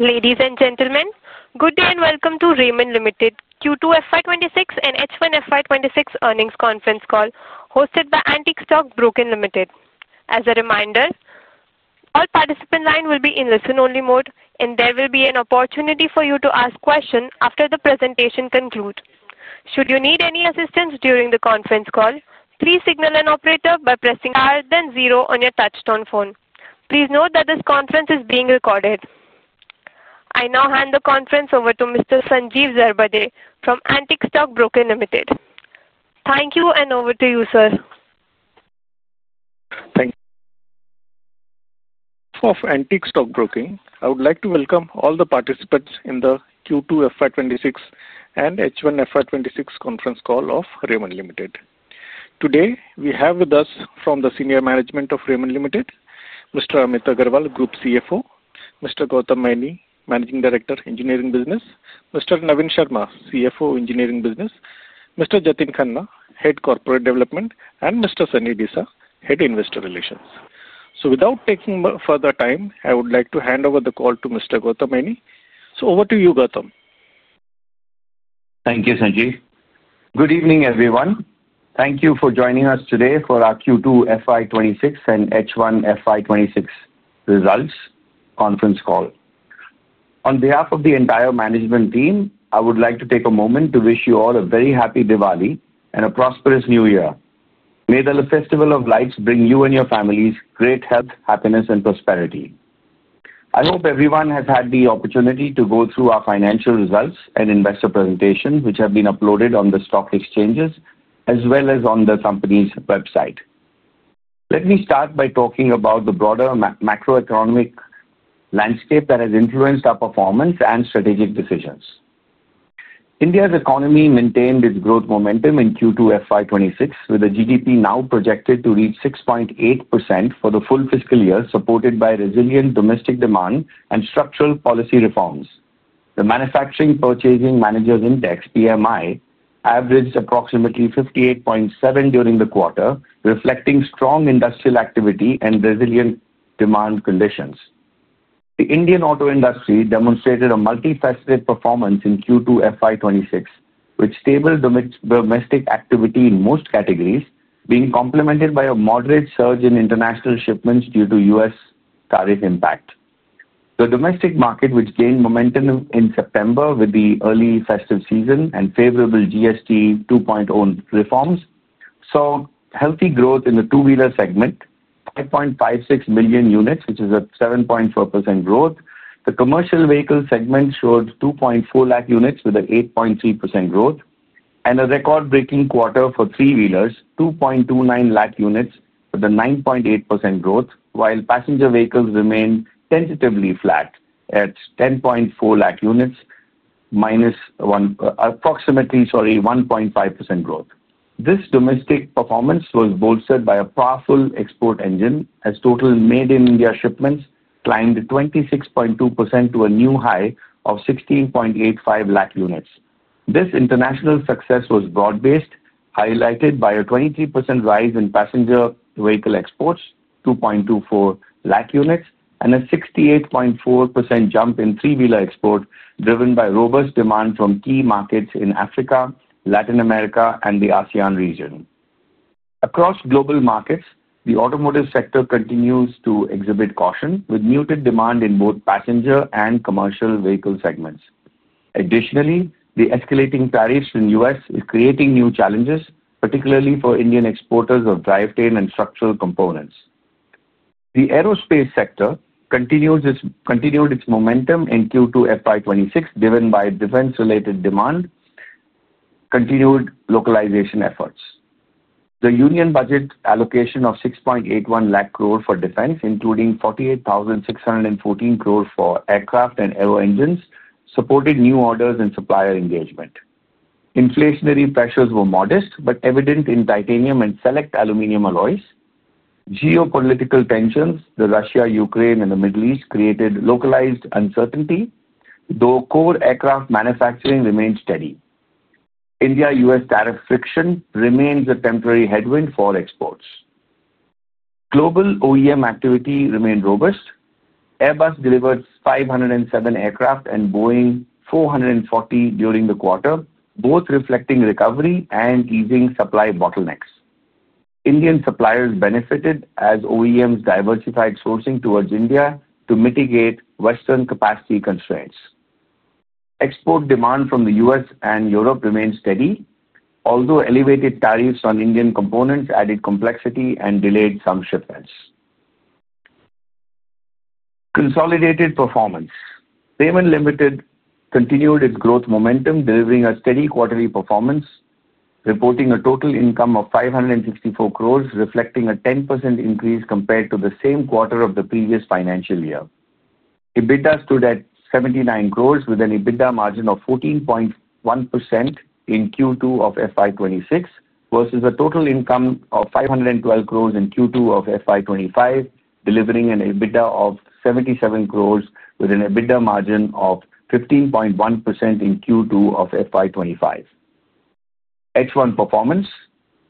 Ladies and gentlemen, good day and welcome to Raymond Limited's Q2 FY 2026 and H1 FY 2026 earnings conference call hosted by Antique Stock Broking Limited. As a reminder, all participant lines will be in listen-only mode, and there will be an opportunity for you to ask questions after the presentation concludes. Should you need any assistance during the conference call, please signal an operator by pressing R then zero on your touch-tone phone. Please note that this conference is being recorded. I now hand the conference over to Mr. Sanjeev Zarbade from Antique Stock Broking Limited. Thank you and over to you, sir. Thank you. For Antique Stock Broking, I would like to welcome all the participants in the Q2 FY 2026 and H1 FY 2026 conference call of Raymond Limited. Today, we have with us from the Senior Management of Raymond Limited, Mr. Amit Agarwal, Group CFO, Mr. Gautam Maini, Managing Director, Engineering Business, Mr. Navin Sharma, CFO, Engineering Business, Mr. Jatin Khanna, Head, Corporate Development, and Mr. Sunny Desa, Head, Investor Relations. Without taking further time, I would like to hand over the call to Mr. Gautam Maini. Over to you, Gautam. Thank you, Sanjeev. Good evening, everyone. Thank you for joining us today for our Q2 FY 2026 and H1 FY 2026 results conference call. On behalf of the entire management team, I would like to take a moment to wish you all a very happy Diwali and a prosperous New Year. May the festival of lights bring you and your families great health, happiness, and prosperity. I hope everyone has had the opportunity to go through our financial results and investor presentations, which have been uploaded on the stock exchanges, as well as on the company's website. Let me start by talking about the broader macroeconomic landscape that has influenced our performance and strategic decisions. India's economy maintained its growth momentum in Q2 FY 2026, with the GDP now projected to reach 6.8% for the full fiscal year, supported by resilient domestic demand and structural policy reforms. The Manufacturing Purchasing Managers Index (PMI) averaged approximately 58.7 during the quarter, reflecting strong industrial activity and resilient demand conditions. The Indian Auto industry demonstrated a multifaceted performance in Q2 FY 2026, with stable domestic activity in most categories being complemented by a moderate surge in international shipments due to U.S. tariff impacts. The domestic market, which gained momentum in September with the early festive season and favorable GST 2.0 reforms, saw healthy growth in the two-wheeler segment, 5.56 million units, which is a 7.4% growth. The commercial vehicle segment showed 2.4 lakh units with an 8.3% growth and a record-breaking quarter for three-wheelers, 2.29 lakh units with a 9.8% growth, while passenger vehicles remained tentatively flat at 10.4 lakh units with approximately 1.5% growth. This domestic performance was bolstered by a powerful export engine, as total made-in-India shipments climbed 26.2% to a new high of 16.85 lakh units. This international success was broad-based, highlighted by a 23% rise in passenger vehicle exports, 2.24 lakh units, and a 68.4% jump in three-wheeler exports, driven by robust demand from key markets in Africa, Latin America, and the ASEAN region. Across global markets, the automotive sector continues to exhibit caution, with muted demand in both passenger and commercial vehicle segments. Additionally, the escalating tariffs in the U.S. are creating new challenges, particularly for Indian exporters of drivetrain and structural components. The Aerospace sector continued its momentum in Q2 FY 2026, driven by defense-related demand and continued localization efforts. The union budget allocation of 6.81 lakh crore for defense, including 48,614 crore for aircraft and aero engines, supported new orders and supplier engagement. Inflationary pressures were modest but evident in titanium and select aluminum alloys. Geopolitical tensions in Russia, Ukraine, and the Middle East created localized uncertainty, though core aircraft manufacturing remained steady. India-U.S. tariff friction remains a temporary headwind for exports. Global OEM activity remained robust. Airbus delivered 507 aircraft and Boeing 440 during the quarter, both reflecting recovery and easing supply bottlenecks. Indian suppliers benefited, as OEMs diversified sourcing towards India to mitigate Western capacity constraints. Export demand from the U.S. and Europe remained steady, although elevated tariffs on Indian components added complexity and delayed some shipments. Consolidated performance. Raymond Limited continued its growth momentum, delivering a steady quarterly performance, reporting a total income of 564 crore, reflecting a 10% increase compared to the same quarter of the previous financial year. EBITDA stood at 79 crore with an EBITDA margin of 14.1% in Q2 of FY 2026 versus a total income of 512 crore in Q2 of FY 2025, delivering an EBITDA of 77 crore with an EBITDA margin of 15.1% in Q2 of FY 2025. H1 performance.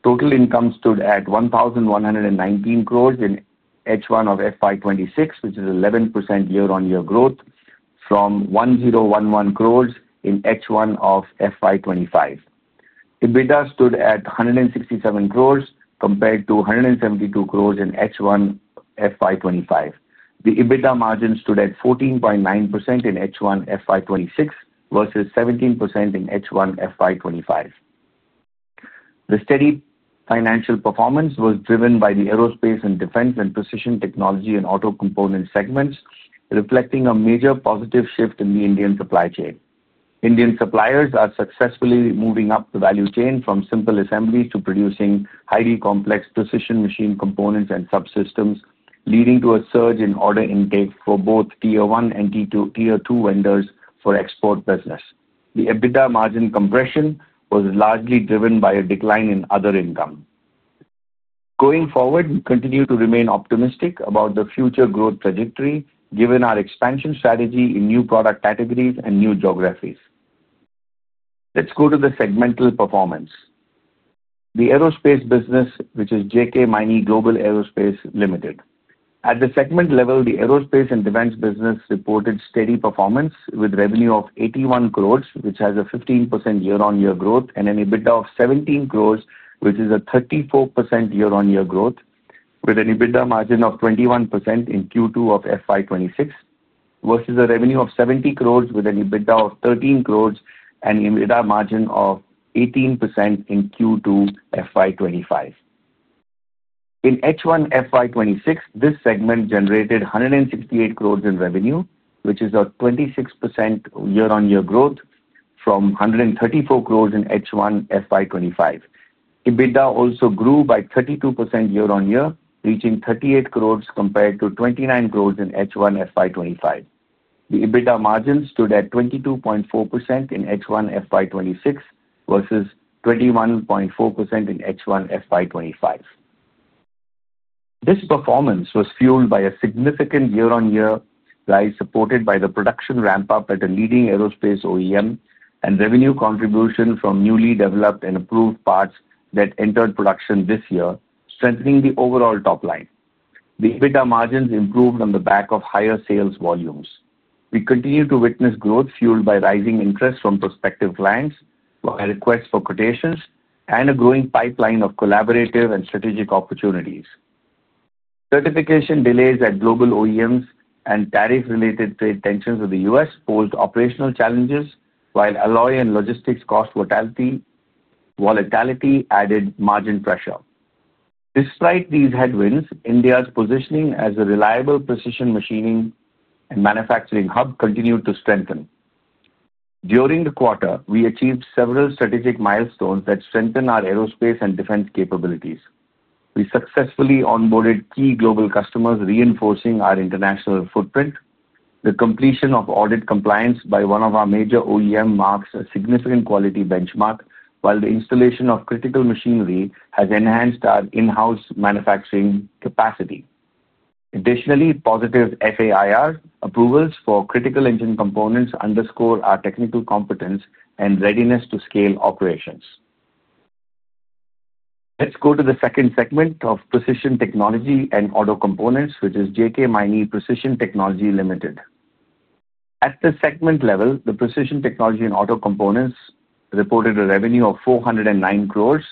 Total income stood at 1,119 crore in H1 of FY 2026, which is 11% year-on-year growth from 1,011 crore in H1 of FY 2025. EBITDA stood at 167 crore compared to 172 crore in H1 FY 2025. The EBITDA margin stood at 14.9% in H1 FY 2026 versus 17% in H1 FY 2025. The steady financial performance was driven by the Aerospace & Defence and Precision Technology & Auto Components segments, reflecting a major positive shift in the Indian supply chain. Indian suppliers are successfully moving up the value chain from simple assemblies to producing highly complex precision machine components and subsystems, leading to a surge in order intake for both Tier 1 and Tier 2 vendors for export business. The EBITDA margin compression was largely driven by a decline in other income. Going forward, we continue to remain optimistic about the future growth trajectory, given our expansion strategy in new product categories and new geographies. Let's go to the segmental performance. The Aerospace business, which is JK Maini Global Aerospace Limited. At the segment level, the Aerospace & Defense business reported steady performance with revenue of 81 crores, which has a 15% year-on-year growth, and an EBITDA of 17 crores, which is a 34% year-on-year growth, with an EBITDA margin of 21% in Q2 of FY 2026 versus a revenue of 70 crores with an EBITDA of 13 crores and an EBITDA margin of 18% in Q2 FY 2025. In H1 FY 2026, this segment generated 168 crores in revenue, which is a 26% year-on-year growth from 134 crores in H1 FY 2025. EBITDA also grew by 32% year-on-year, reaching 38 crores compared to 29 crores in H1 FY 2025. The EBITDA margin stood at 22.4% in H1 FY 2026 versus 21.4% in H1 FY 2025. This performance was fueled by a significant year-on-year rise, supported by the production ramp-up at a leading Aerospace OEM and revenue contribution from newly developed and approved parts that entered production this year, strengthening the overall top line. The EBITDA margins improved on the back of higher sales volumes. We continue to witness growth fueled by rising interest from prospective clients and requests for quotations and a growing pipeline of collaborative and strategic opportunities. Certification delays at global OEMs and tariff-related trade tensions with the U.S. posed operational challenges, while alloy and logistics cost volatility added margin pressure. Despite these headwinds, India's positioning as a reliable precision machining and manufacturing hub continued to strengthen. During the quarter, we achieved several strategic milestones that strengthened our Aerospace & Defense capabilities. We successfully onboarded key global customers, reinforcing our international footprint. The completion of audit compliance by one of our major OEMs marks a significant quality benchmark, while the installation of critical machinery has enhanced our in-house manufacturing capacity. Additionally, positive FAIR approvals for critical engine components underscore our technical competence and readiness to scale operations. Let's go to the second segment of Precision Technology & Auto Components, which is JK Maini Precision Technology Limited. At the segment level, the Precision Technology & Auto Components reported a revenue of 409 crores,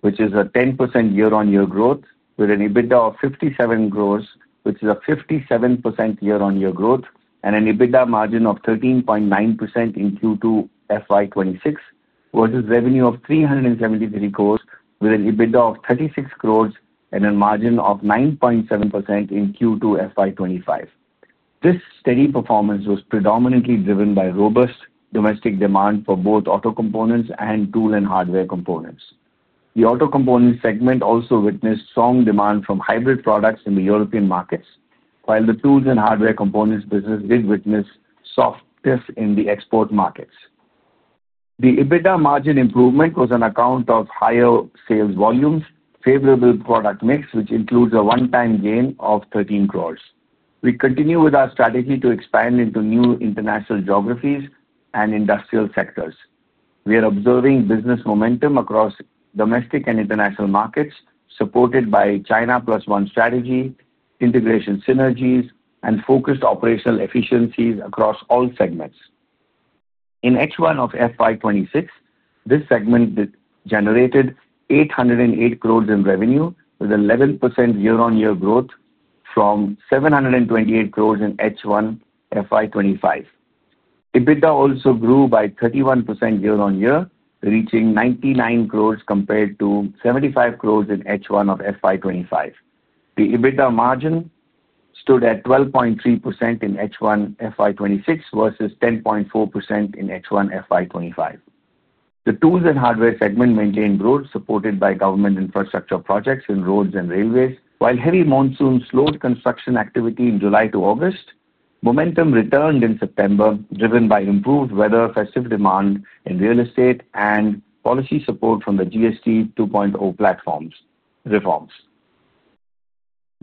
which is a 10% year-on-year growth, with an EBITDA of 57 crores, which is a 57% year-on-year growth, and an EBITDA margin of 13.9% in Q2 FY 2026 versus a revenue of 373 crores, with an EBITDA of 36 crores and a margin of 9.7% in Q2 FY 2025. This steady performance was predominantly driven by robust domestic demand for both Auto Components and Tool & Hardware Components. The Auto Components segment also witnessed strong demand from hybrid products in the European markets, while the Tools & Hardware Components business did witness softness in the export markets. The EBITDA margin improvement was on account of higher sales volumes, favorable product mix, which includes a one-time gain of 13 crore. We continue with our strategy to expand into new international geographies and industrial sectors. We are observing business momentum across domestic and international markets, supported by a China Plus One strategy, integration synergies, and focused operational efficiencies across all segments. In H1 of FY 2026, this segment generated 808 crore in revenue, with an 11% year-on-year growth from 728 crore in H1 FY 2025. EBITDA also grew by 31% year-on-year, reaching 99 crore compared to 75 crore in H1 of FY 2025. The EBITDA margin stood at 12.3% in H1 FY 2026 versus 10.4% in H1 FY 2025. The Tools & Hardware segment maintained growth, supported by government infrastructure projects in roads and railways. While heavy monsoon slowed construction activity in July to August, momentum returned in September, driven by improved weather, festive demand in real estate, and policy support from the GST 2.0 platform reforms.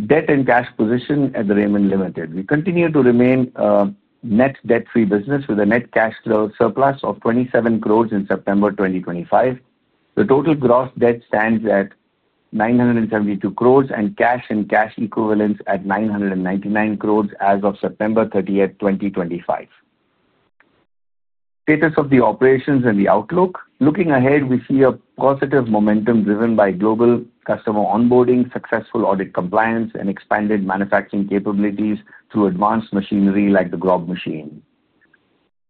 Debt and cash position at Raymond Limited. We continue to remain a net debt-free business, with a net cash surplus of 27 crore in September 2025. The total gross debt stands at 972 crore and cash and cash equivalents at 999 crore as of September 30, 2025. Status of the operations and the outlook. Looking ahead, we see a positive momentum driven by global customer onboarding, successful audit compliance, and expanded manufacturing capabilities through advanced machinery like the GROB machine.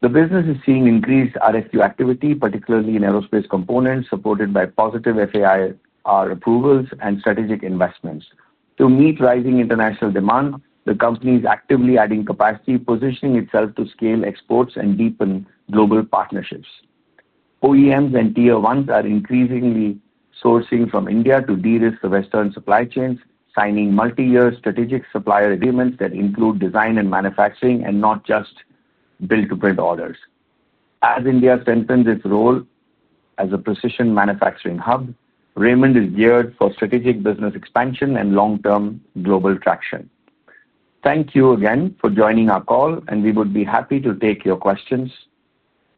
The business is seeing increased RFQ activity, particularly in Aerospace components, supported by positive FAIR approvals and strategic investments. To meet rising international demand, the company is actively adding capacity, positioning itself to scale exports and deepen global partnerships. OEMs and Tier 1s are increasingly sourcing from India to de-risk the Western supply chains, signing multi-year strategic supplier agreements that include design and manufacturing and not just build-to-print orders. As India strengthens its role as a precision manufacturing hub, Raymond is geared for strategic business expansion and long-term global traction. Thank you again for joining our call, and we would be happy to take your questions.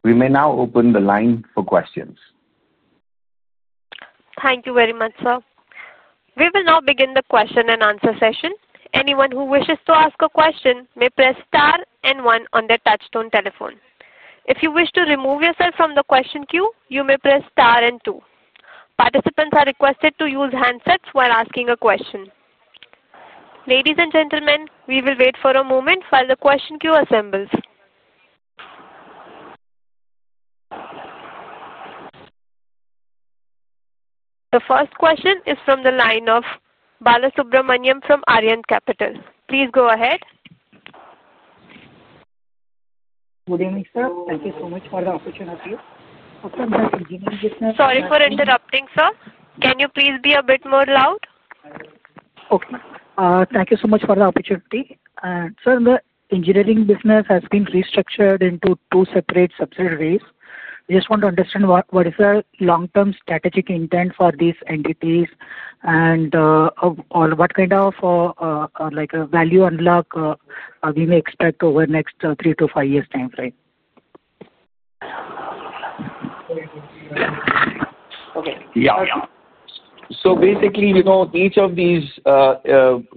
We may now open the line for questions. Thank you very much, sir. We will now begin the question and answer session. Anyone who wishes to ask a question may press star and one on their touch-tone telephone. If you wish to remove yourself from the question queue, you may press star and two. Participants are requested to use handsets when asking a question. Ladies and gentlemen, we will wait for a moment while the question queue assembles. The first question is from the line of Balasubramanian from Arihant Capital. Please go ahead. Good evening, sir. Thank you so much for the opportunity. Sorry for interrupting, sir. Can you please be a bit more loud? Thank you so much for the opportunity. Sir, the engineering business has been restructured into two separate subsidiaries. I just want to understand what is the long-term strategic intent for these entities, or what kind of value unlock we may expect over the next three to five years' time frame. Yeah. Basically, you know, each of these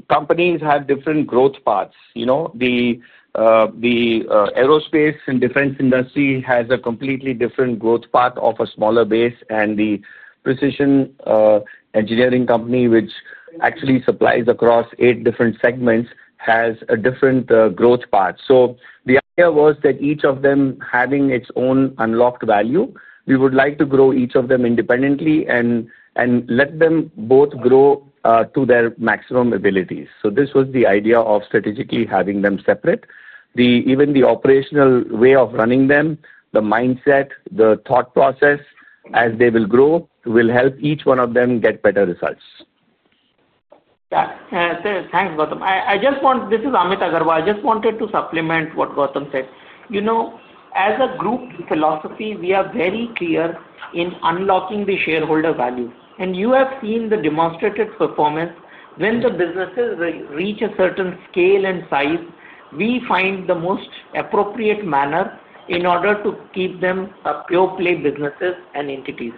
companies have different growth paths. You know, the Aerospace & Defense industry has a completely different growth path off a smaller base, and the precision engineering company, which actually supplies across eight different segments, has a different growth path. The idea was that each of them having its own unlocked value, we would like to grow each of them independently and let them both grow to their maximum abilities. This was the idea of strategically having them separate. Even the operational way of running them, the mindset, the thought process, as they will grow, will help each one of them get better results. Yeah. Thanks, Gautam. I just want, this is Amit Agarwal. I just wanted to supplement what Gautam said. You know, as a group philosophy, we are very clear in unlocking the shareholder value. You have seen the demonstrated performance when the businesses reach a certain scale and size. We find the most appropriate manner in order to keep them pure play businesses and entities.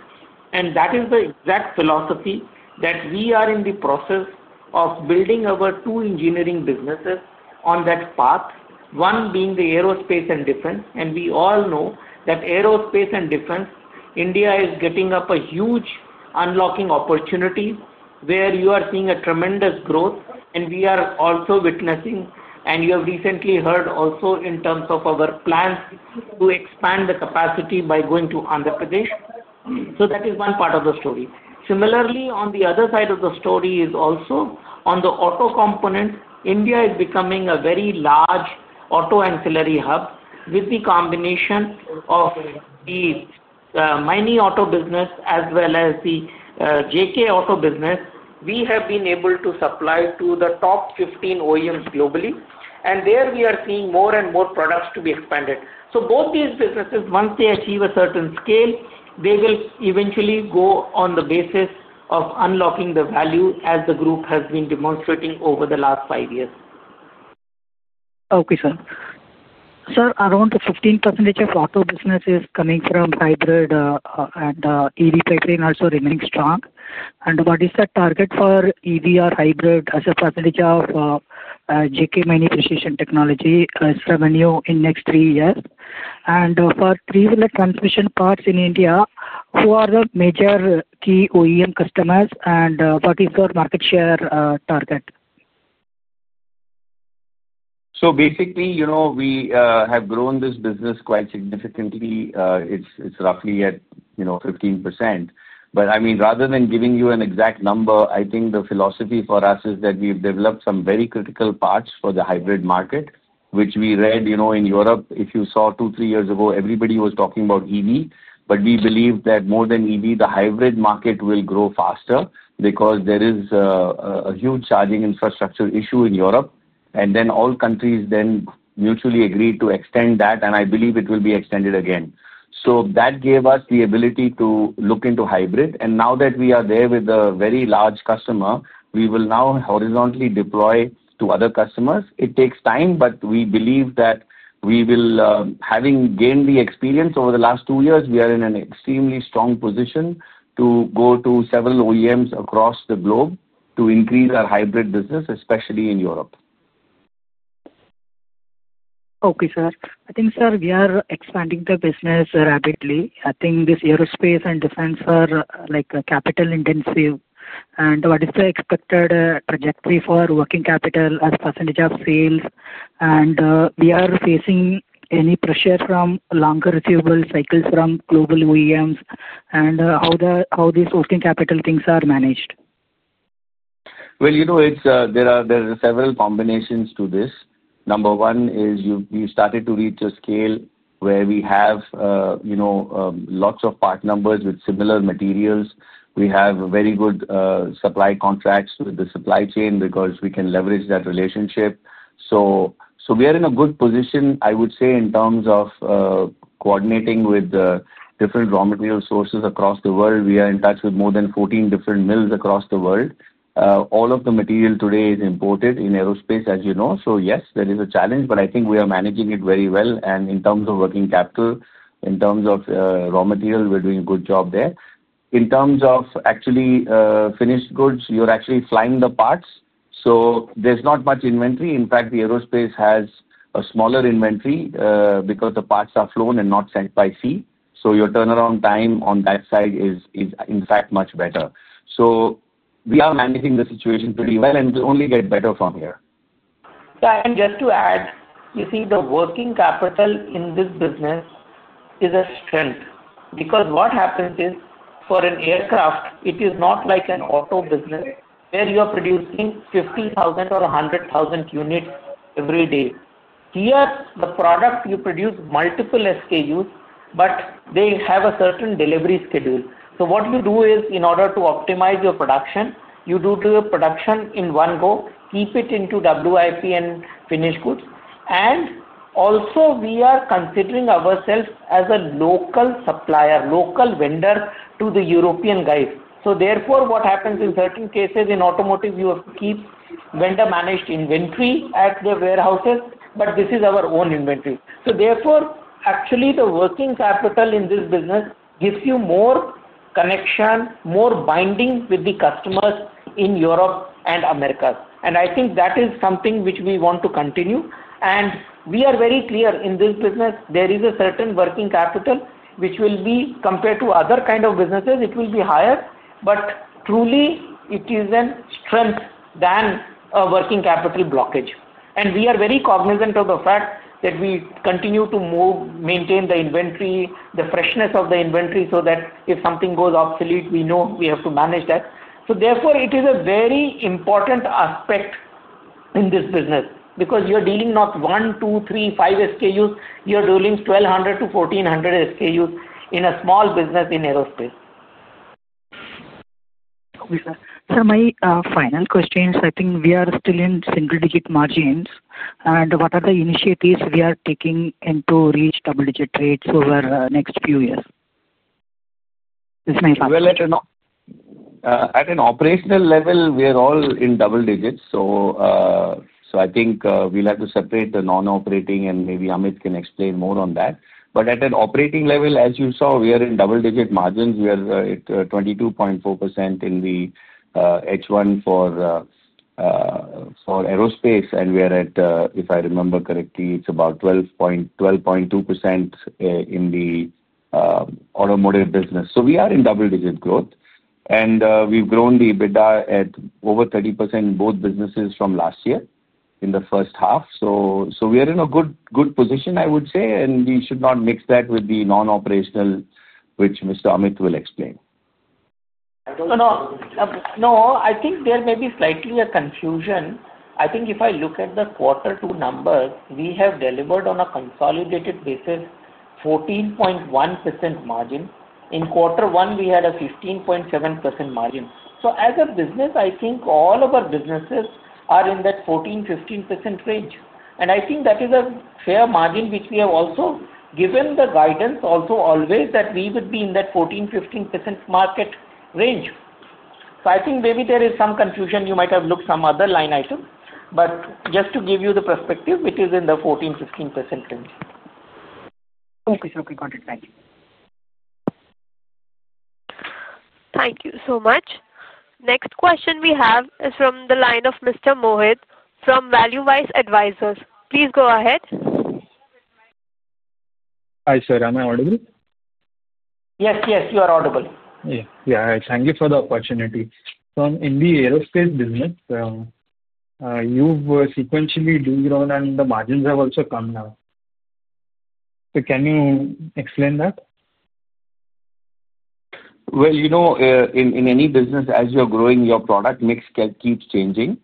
That is the exact philosophy that we are in the process of building our two engineering businesses on that path, one being the Aerospace & Defense. We all know that Aerospace & Defense, India is getting up a huge unlocking opportunity where you are seeing a tremendous growth. We are also witnessing, and you have recently heard also in terms of our plans to expand the capacity by going to Andhra Pradesh. That is one part of the story. Similarly, on the other side of the story is also on the Auto Components. India is becoming a very large auto ancillary hub with the combination of the Maini Auto Business as well as the JK Auto Business. We have been able to supply to the top 15 OEMs globally. There, we are seeing more and more products to be expanded. Both these businesses, once they achieve a certain scale, they will eventually go on the basis of unlocking the value as the group has been demonstrating over the last five years. Okay, sir. Sir, around 15% of Auto business is coming from hybrid and EV pipeline, are also remaining strong. What is the target for EV or hybrid as a percentage of JK Maini Precision Technology's revenue in the next three years? For three-wheeler transmission parts in India, who are the major key OEM customers? What is your market share target? Basically, you know, we have grown this business quite significantly. It's roughly at 15%. Rather than giving you an exact number, I think the philosophy for us is that we've developed some very critical parts for the hybrid market, which we read, you know, in Europe. If you saw two or three years ago, everybody was talking about EV. We believe that more than EV, the hybrid market will grow faster because there is a huge charging infrastructure issue in Europe. All countries then mutually agreed to extend that. I believe it will be extended again. That gave us the ability to look into hybrid. Now that we are there with a very large customer, we will now horizontally deploy to other customers. It takes time, but we believe that we will, having gained the experience over the last two years, we are in an extremely strong position to go to several OEMs across the globe to increase our hybrid business, especially in Europe. Okay, sir. I think, sir, we are expanding the business rapidly. I think this Aerospace & Defense are like capital-intensive. What is the expected trajectory for working capital as a percentage of sales? Are we facing any pressure from longer renewable cycles from global OEMs? How are these working capital things managed? There are several combinations to this. Number one is we've started to reach a scale where we have lots of part numbers with similar materials. We have very good supply contracts with the supply chain because we can leverage that relationship. We are in a good position, I would say, in terms of coordinating with different raw material sources across the world. We are in touch with more than 14 different mills across the world. All of the material today is imported in Aerospace, as you know. Yes, there is a challenge, but I think we are managing it very well. In terms of working capital, in terms of raw material, we're doing a good job there. In terms of actually finished goods, you're actually flying the parts. There's not much inventory. In fact, the Aerospace has a smaller inventory because the parts are flown and not sent by sea. Your turnaround time on that side is, in fact, much better. We are managing the situation pretty well, and we'll only get better from here. Yeah. Just to add, you see, the working capital in this business is a strength because what happens is for an aircraft, it is not like an Auto business where you are producing 50,000 or 100,000 units every day. Here, the product you produce is multiple SKUs, but they have a certain delivery schedule. What you do is, in order to optimize your production, you do the production in one go, keep it into WIP and finished goods. We are considering ourselves as a local supplier, local vendor to the European guys. Therefore, what happens in certain cases in automotive, you have to keep vendor-managed inventory at the warehouses, but this is our own inventory. Actually, the working capital in this business gives you more connection, more binding with the customers in Europe and America. I think that is something which we want to continue. We are very clear in this business. There is a certain working capital which will be, compared to other kinds of businesses, higher. Truly, it is a strength rather than a working capital blockage. We are very cognizant of the fact that we continue to move, maintain the inventory, the freshness of the inventory so that if something goes obsolete, we know we have to manage that. Therefore, it is a very important aspect in this business because you're dealing not one, two, three, five SKUs. You're dealing 1,200-1,400 SKUs in a small business in Aerospace. Okay, sir. Sir, my final question is, I think we are still in single-digit margins. What are the initiatives we are taking into reaching double-digit rates over the next few years? This is my final question. At an operational level, we are all in double digits. I think we'll have to separate the non-operating, and maybe Amit can explain more on that. At an operating level, as you saw, we are in double-digit margins. We are at 22.4% in the H1 for Aerospace, and we are at, if I remember correctly, about 12.2% in the automotive business. We are in double-digit growth, and we've grown the EBITDA at over 30% in both businesses from last year in the first half. We are in a good position, I would say. We should not mix that with the non-operational, which Mr. Amit will explain. No, no. I think there may be slightly a confusion. I think if I look at the quarter two numbers, we have delivered on a consolidated basis 14.1% margin. In quarter one, we had a 15.7% margin. As a business, I think all of our businesses are in that 14%, 15% range. I think that is a fair margin, which we have also given the guidance also always that we would be in that 14%, 15% market range. I think maybe there is some confusion. You might have looked at some other line items. Just to give you the perspective, which is in the 14%, 15% range. Okay, sir. Thank you. Thank you so much. Next question we have is from the line of. Please go ahead. Hi, sir. Am I audible? Yes, yes, you are audible. Thank you for the opportunity. In the Aerospace business, you've sequentially grown and the margins have also come now. Can you explain that? In any business, as you're growing, your product mix keeps changing,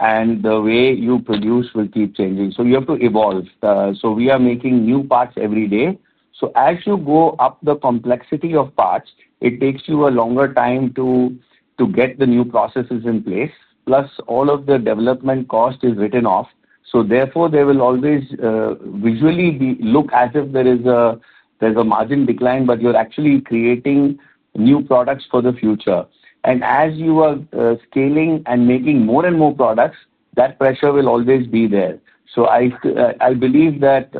and the way you produce will keep changing. You have to evolve. We are making new parts every day. As you go up the complexity of parts, it takes you a longer time to get the new processes in place. All of the development cost is written off. Therefore, there will always visually look as if there is a margin decline, but you're actually creating new products for the future. As you are scaling and making more and more products, that pressure will always be there. I believe that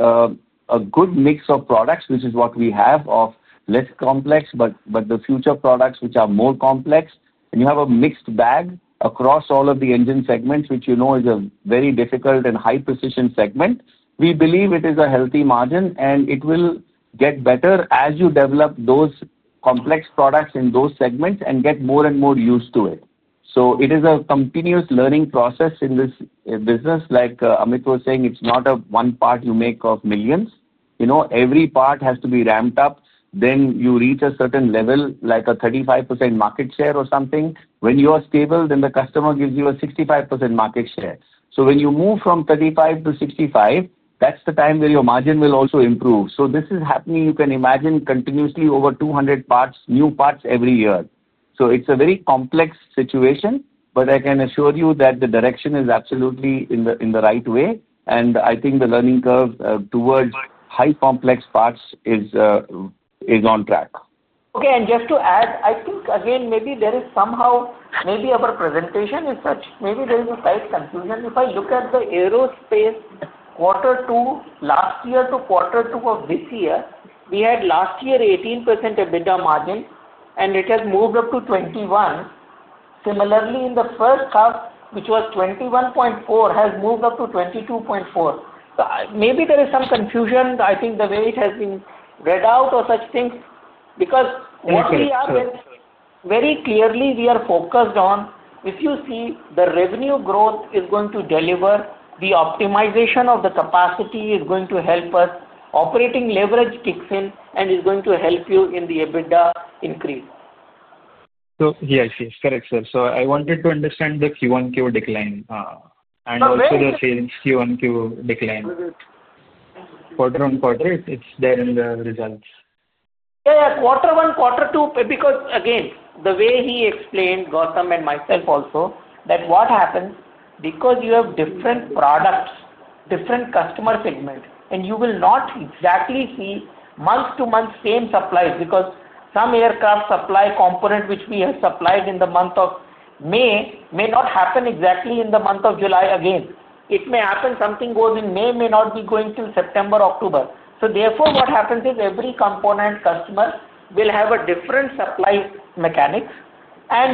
a good mix of products, which is what we have of less complex but the future products which are more complex, and you have a mixed bag across all of the engine segments, which is a very difficult and high-precision segment. We believe it is a healthy margin, and it will get better as you develop those complex products in those segments and get more and more used to it. It is a continuous learning process in this business. Like Amit was saying, it's not a one part you make of millions. Every part has to be ramped up. Then you reach a certain level, like a 35% market share or something. When you are stable, then the customer gives you a 65% market share. When you move from 35% to 65%, that's the time where your margin will also improve. This is happening, you can imagine, continuously over 200 parts, new parts every year. It's a very complex situation, but I can assure you that the direction is absolutely in the right way. I think the learning curve towards high-complex parts is on track. Okay. Just to add, I think, again, maybe there is somehow, maybe our presentation is such, maybe there is a slight confusion. If I look at the Aerospace quarter two, last year to quarter two of this year, we had last year 18% EBITDA margin, and it has moved up to 21%. Similarly, in the first half, which was 21.4%, has moved up to 22.4%. Maybe there is some confusion. I think the way it has been read out or such things because what we have very clearly, we are focused on, if you see the revenue growth is going to deliver the optimization of the capacity, is going to help us. Operating leverage kicks in and is going to help you in the EBITDA increase. I see. It's correct, sir. I wanted to understand the Q-o-Q decline, and also the sales Q-o-Q decline. Quarter on quarter, it's there in the results. Yeah, yeah. Quarter one, quarter two, because again, the way he explained, Gautam and myself also, what happens because you have different products, different customer segments, and you will not exactly see month-to-month same supplies because some aircraft supply component which we have supplied in the month of May may not happen exactly in the month of July again. It may happen something goes in May may not be going till September, October. Therefore, what happens is every component customer will have a different supply mechanics.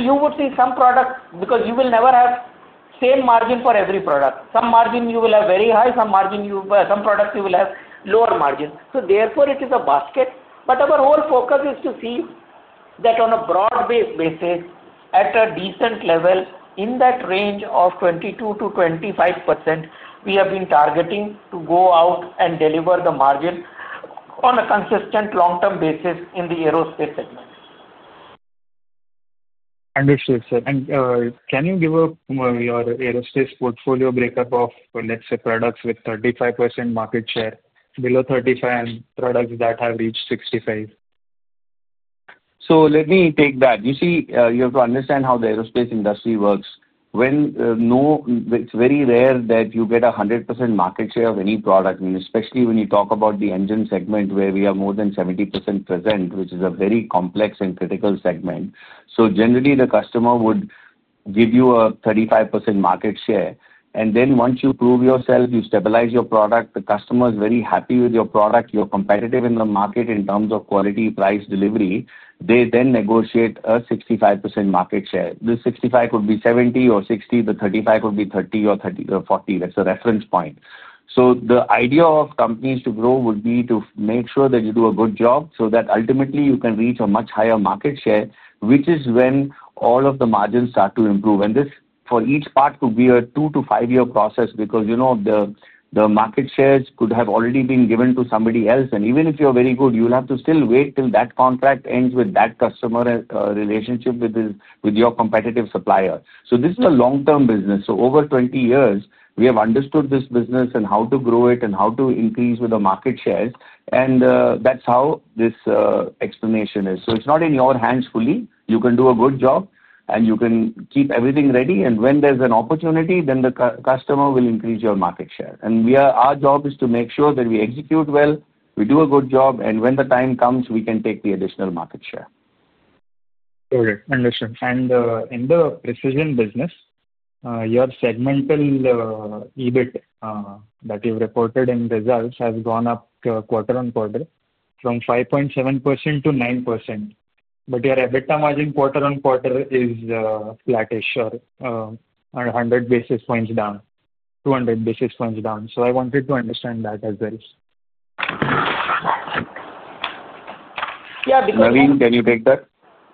You would see some products because you will never have same margin for every product. Some margin you will have very high, some margin you will have some products you will have lower margins. Therefore, it is a basket. Our whole focus is to see that on a broad basis, at a decent level, in that range of 22%-25%, we have been targeting to go out and deliver the margin on a consistent long-term basis in the Aerospace segment. Understood, sir. Can you give your Aerospace portfolio breakup of, let's say, products with 35% market share, below 35%, and products that have reached 65%? Let me take that. You see, you have to understand how the Aerospace industry works. It's very rare that you get 100% market share of any product, especially when you talk about the engine segment where we are more than 70% present, which is a very complex and critical segment. Generally, the customer would give you a 35% market share. Once you prove yourself, you stabilize your product, the customer is very happy with your product, and you're competitive in the market in terms of quality, price, and delivery, they then negotiate a 65% market share. The 65% could be 70% or 60%, the 35% could be 30% or 40%. That's a reference point. The idea of companies to grow would be to make sure that you do a good job so that ultimately you can reach a much higher market share, which is when all of the margins start to improve. For each part, this could be a two to five-year process because the market shares could have already been given to somebody else. Even if you're very good, you'll have to still wait till that contract ends with that customer relationship with your competitive supplier. This is a long-term business. Over 20 years, we have understood this business and how to grow it and how to increase with the market shares. That's how this explanation is. It's not in your hands fully. You can do a good job, and you can keep everything ready. When there's an opportunity, then the customer will increase your market share. Our job is to make sure that we execute well, we do a good job, and when the time comes, we can take the additional market share. Okay. Understood. In the Precision business, your segmental EBIT that you've reported in results has gone up quarter on quarter from 5.7% to 9%. Your EBITDA margin quarter on quarter is flattish or 100 basis points down, 200 basis points down. I wanted to understand that as well. Yeah, because. Navin, can you take that?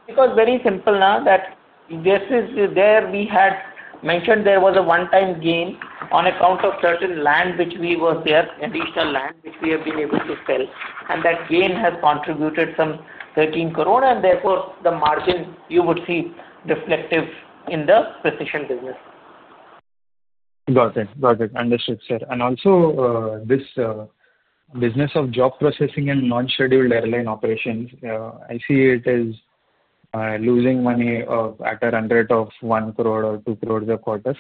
Because very simple, now that this is there, we had mentioned there was a one-time gain on account of certain land which we were there, additional land which we have been able to sell. That gain has contributed some 13 crore. Therefore, the margin you would see is reflective in the Precision business. Got it. Understood, sir. Also, this business of job processing and non-scheduled airline operations, I see it as losing money at a run rate of 1 crore or 2 crore a quarter.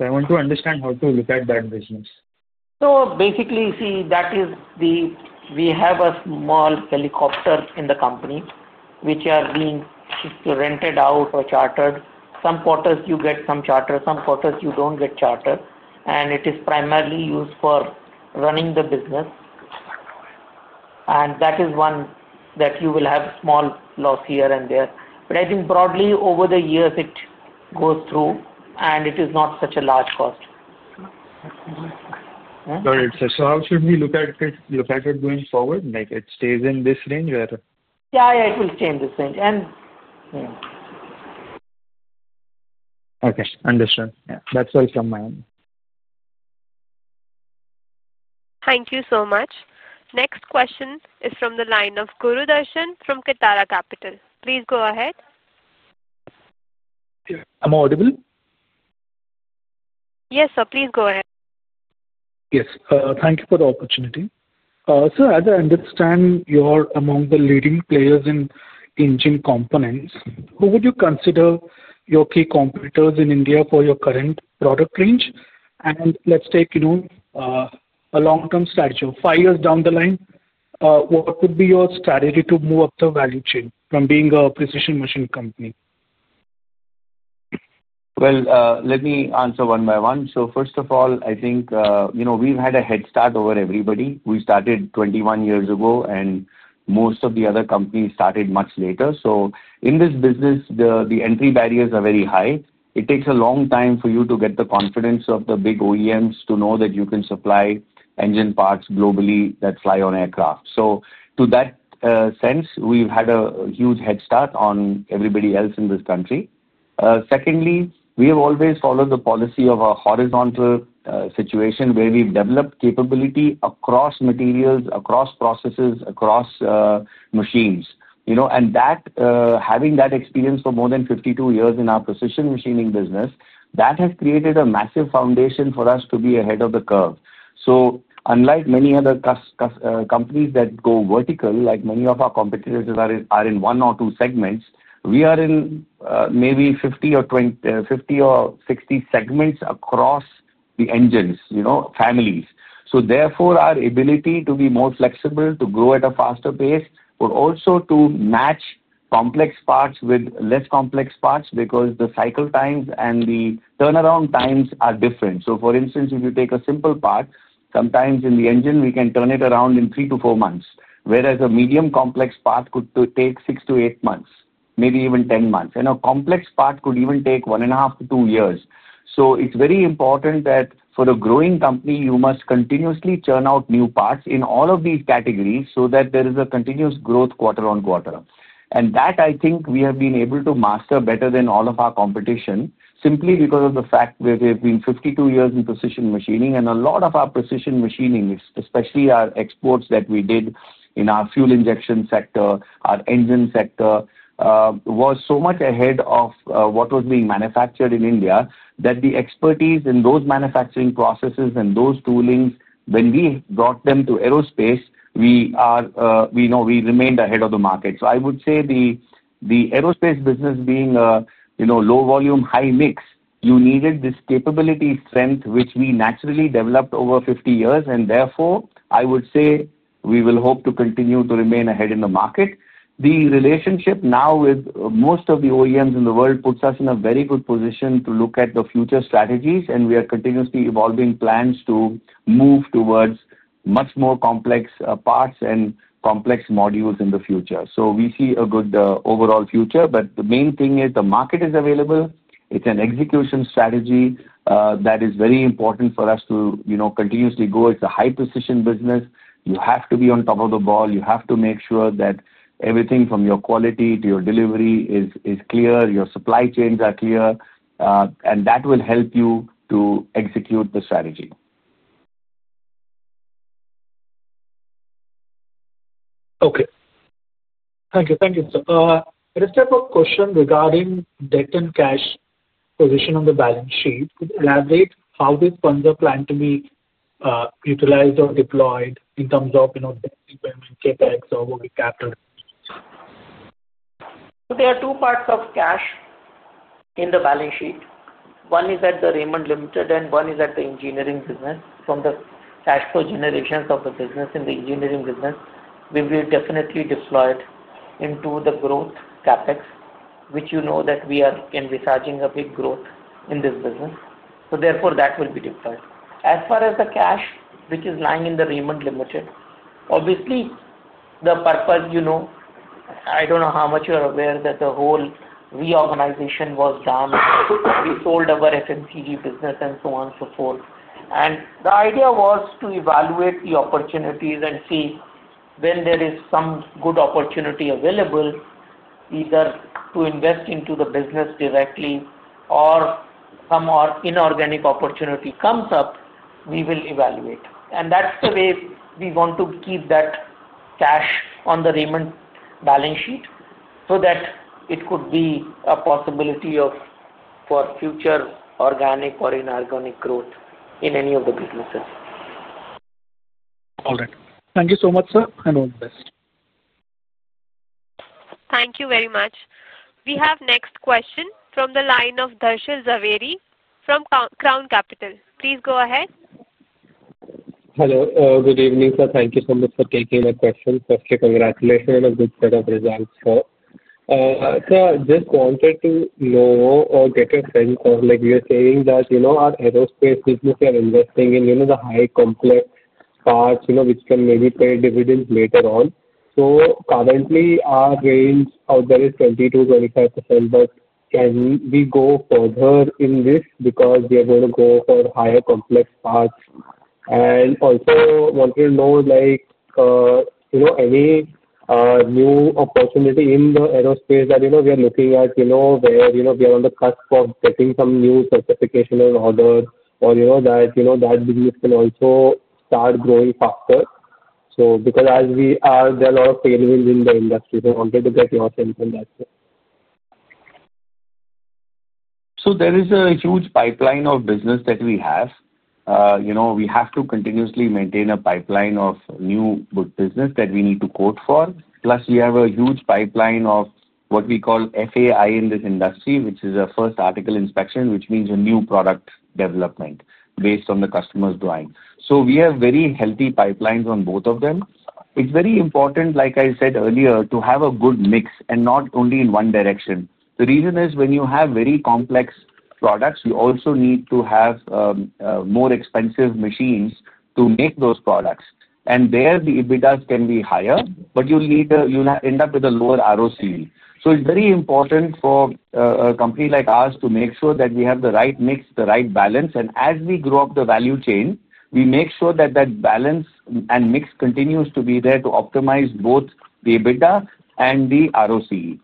I want to understand how to look at that business. You see, we have a small helicopter in the company, which is being rented out or chartered. Some quarters you get some charter, some quarters you don't get charter. It is primarily used for running the business. That is one where you will have a small loss here and there. I think broadly over the years it goes through, and it is not such a large cost. Got it, sir. How should we look at it going forward? Like, it stays in this range or? Yeah, it will stay in this range. Okay. Understood. Yeah, that's all from my end. Thank you so much. Next question is from the line of Guru Darshan from Kitara Capital. Please go ahead. Am I audible? Yes, sir. Please go ahead. Yes. Thank you for the opportunity. Sir, as I understand, you're among the leading players in engine components. Who would you consider your key competitors in India for your current product range? Let's take a long-term strategy. Five years down the line, what would be your strategy to move up the value chain from being a precision machine company? Let me answer one by one. First of all, I think, you know, we've had a head start over everybody. We started 21 years ago, and most of the other companies started much later. In this business, the entry barriers are very high. It takes a long time for you to get the confidence of the big OEMs to know that you can supply engine parts globally that fly on aircraft. To that sense, we've had a huge head start on everybody else in this country. Secondly, we have always followed the policy of a horizontal situation where we've developed capability across materials, across processes, across machines. You know, and having that experience for more than 52 years in our precision machining business has created a massive foundation for us to be ahead of the curve. Unlike many other companies that go vertical, like many of our competitors are in one or two segments, we are in maybe 50 or 60 segments across the engines, you know, families. Therefore, our ability to be more flexible, to grow at a faster pace, or also to match complex parts with less complex parts because the cycle times and the turnaround times are different. For instance, if you take a simple part, sometimes in the engine, we can turn it around in three to four months, whereas a medium complex part could take six to eight months, maybe even 10 months. A complex part could even take one and a half to two years. It is very important that for a growing company, you must continuously churn out new parts in all of these categories so that there is a continuous growth quarter on quarter. I think we have been able to master that better than all of our competition simply because of the fact that we have been 52 years in precision machining. A lot of our precision machining, especially our exports that we did in our fuel injection sector, our engine sector, was so much ahead of what was being manufactured in India that the expertise in those manufacturing processes and those toolings, when we brought them to Aerospace, we remained ahead of the market. I would say the Aerospace business being a low volume, high mix, you needed this capability strength, which we naturally developed over 50 years. Therefore, I would say we will hope to continue to remain ahead in the market. The relationship now with most of the OEMs in the world puts us in a very good position to look at the future strategies. We are continuously evolving plans to move towards much more complex parts and complex modules in the future. We see a good overall future. The main thing is the market is available. It's an execution strategy that is very important for us to continuously go. It's a high-precision business. You have to be on top of the ball. You have to make sure that everything from your quality to your delivery is clear. Your supply chains are clear, and that will help you to execute the strategy. Okay. Thank you. Thank you, sir. I just have a question regarding debt and cash position on the balance sheet. Could you elaborate how these funds are planned to be utilized or deployed in terms of, you know, debt repayment, CapEx, or overcapture? There are two parts of cash in the balance sheet. One is at Raymond Limited, and one is at the engineering business. From the cash flow generations of the business in the engineering business, we will definitely deploy it into the growth CapEx, which you know that we are envisaging a big growth in this business. Therefore, that will be deployed. As far as the cash, which is lying in Raymond Limited, obviously, the purpose, you know, I don't know how much you're aware that the whole reorganization was done. We sold our FMCG business and so on and so forth. The idea was to evaluate the opportunities and see when there is some good opportunity available, either to invest into the business directly or some inorganic opportunity comes up, we will evaluate. That's the way we want to keep that cash on the Raymond balance sheet so that it could be a possibility for future organic or inorganic growth in any of the businesses. All right. Thank you so much, sir, and all the best. Thank you very much. We have next question from the line of Darshan Jhaveri from Crown Capital. Please go ahead. Hello. Good evening, sir. Thank you so much for taking the question. Firstly, congratulations on a good set of results, sir. I just wanted to know or get a sense of, like you were saying, that our Aerospace business, we are investing in the high complex parts, which can maybe pay dividends later on. Currently, our range out there is 20%-25%. Can we go further in this because we are going to go for higher complex parts? I also wanted to know, any new opportunity in Aerospace that we are looking at, where we are on the cusp of getting some new certification and orders, or that business can also start growing faster. There are a lot of tailwinds in the industry. I wanted to get your sense on that, sir. There is a huge pipeline of business that we have. We have to continuously maintain a pipeline of new business that we need to quote for. Plus, we have a huge pipeline of what we call FAI in this industry, which is a First Article Inspection, which means a new product development based on the customer's drawing. We have very healthy pipelines on both of them. It's very important, like I said earlier, to have a good mix and not only in one direction. The reason is when you have very complex products, you also need to have more expensive machines to make those products. There, the EBITDA can be higher, but you'll need to end up with a lower ROCE. It is very important for a company like ours to make sure that we have the right mix, the right balance. As we grow up the value chain, we make sure that that balance and mix continues to be there to optimize both the EBITDA and the ROCE.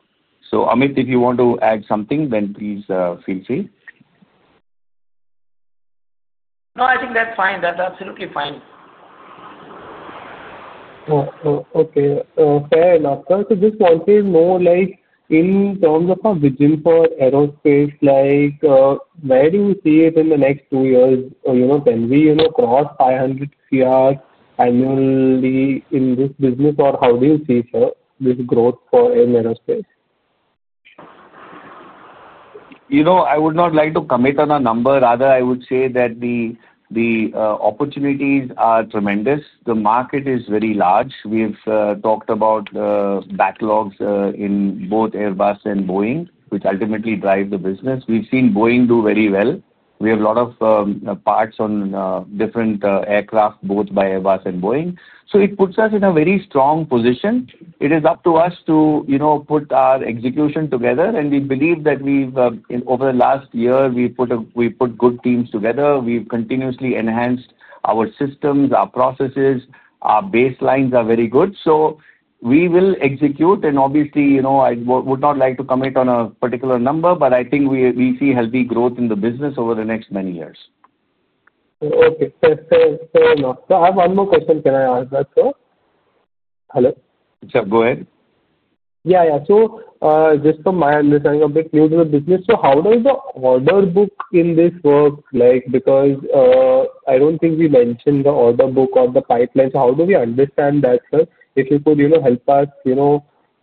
Amit, if you want to add something, then please feel free. No, I think that's fine. That's absolutely fine. Okay. Fair enough, sir. Just want to know, in terms of our vision for Aerospace, where do you see it in the next two years? Can we cross 500 crore annually in this business, or how do you see, sir, this growth for Aerospace? I would not like to commit on a number. Rather, I would say that the opportunities are tremendous. The market is very large. We've talked about backlogs in both Airbus and Boeing, which ultimately drive the business. We've seen Boeing do very well. We have a lot of parts on different aircraft, both by Airbus and Boeing. It puts us in a very strong position. It is up to us to put our execution together. We believe that over the last year, we've put good teams together. We've continuously enhanced our systems and our processes. Our baselines are very good. We will execute. Obviously, I would not like to commit on a particular number, but I think we see healthy growth in the business over the next many years. Okay. Fair enough. I have one more question. Can I ask that, sir? Hello? Sure, go ahead. Yeah, yeah. Just from my understanding of big news in the business, how does the order book in this work? I don't think we mentioned the order book or the pipeline. How do we understand that, sir? If you could help us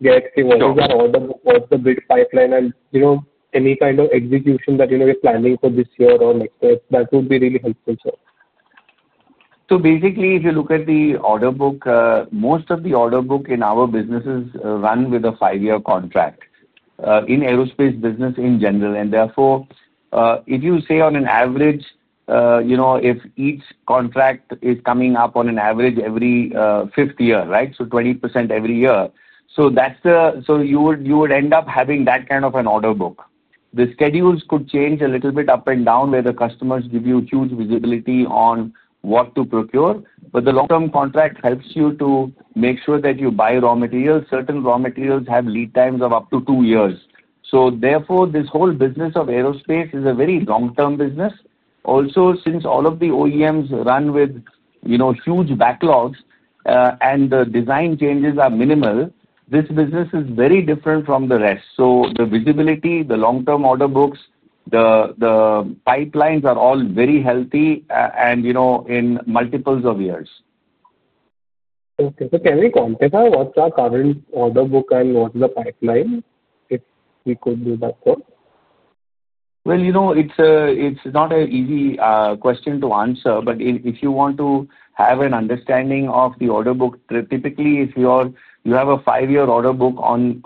get to what is our order book, what's the big pipeline, and any kind of execution that we're planning for this year or next year, that would be really helpful, sir. If you look at the order book, most of the order book in our businesses run with a five-year contract in Aerospace business in general. Therefore, if you say on an average, if each contract is coming up on an average every fifth year, right? 20% every year. You would end up having that kind of an order book. The schedules could change a little bit up and down where the customers give you huge visibility on what to procure. The long-term contract helps you to make sure that you buy raw materials. Certain raw materials have lead times of up to two years. Therefore, this whole business of Aerospace is a very long-term business. Also, since all of the OEMs run with huge backlogs, and the design changes are minimal, this business is very different from the rest. The visibility, the long-term order books, the pipelines are all very healthy and in multiples of years. Okay. Can we quantify what's our current order book and what's the pipeline if we could do that, sir? It's not an easy question to answer. If you want to have an understanding of the order book, typically, if you have a five-year order book on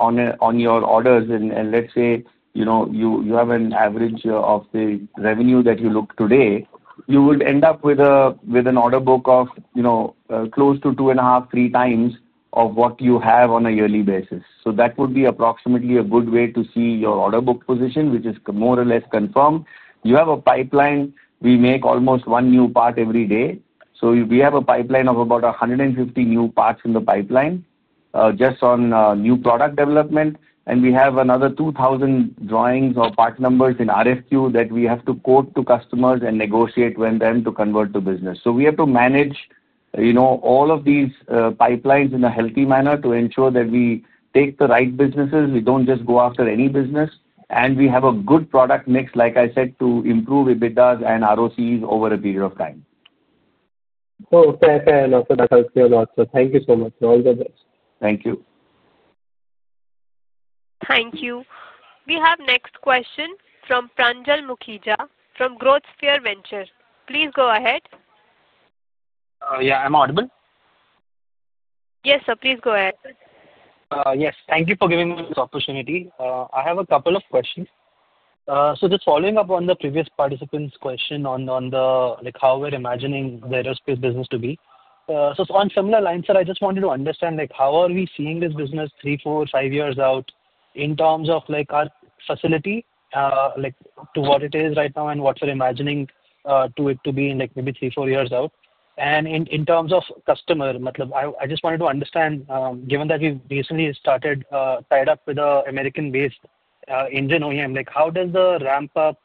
your orders and let's say you have an average of the revenue that you look at today, you would end up with an order book of close to 2.5x, 3x what you have on a yearly basis. That would be approximately a good way to see your order book position, which is more or less confirmed. You have a pipeline. We make almost one new part every day, so we have a pipeline of about 150 new parts in the pipeline just on new product development. We have another 2,000 drawings or part numbers in RFQ that we have to quote to customers and negotiate with them to convert to business. We have to manage all of these pipelines in a healthy manner to ensure that we take the right businesses. We don't just go after any business, and we have a good product mix, like I said, to improve EBITDA and ROCE over a period of time. That helps me a lot. Thank you so much. All the best. Thank you. Thank you. We have next question from Pranjal Mukhija from GrowthSphere Ventures. Please go ahead. Yeah, am I audible? Yes, sir. Please go ahead. Yes. Thank you for giving me this opportunity. I have a couple of questions. Just following up on the previous participant's question on how we're imagining the Aerospace business to be. It's on similar lines, sir. I just wanted to understand how are we seeing this business three, four, five years out in terms of our facility, like to what it is right now and what we're imagining it to be in maybe three, four years out. In terms of customer, I just wanted to understand, given that we recently started, tied up with an American-based engine OEM, how does the ramp up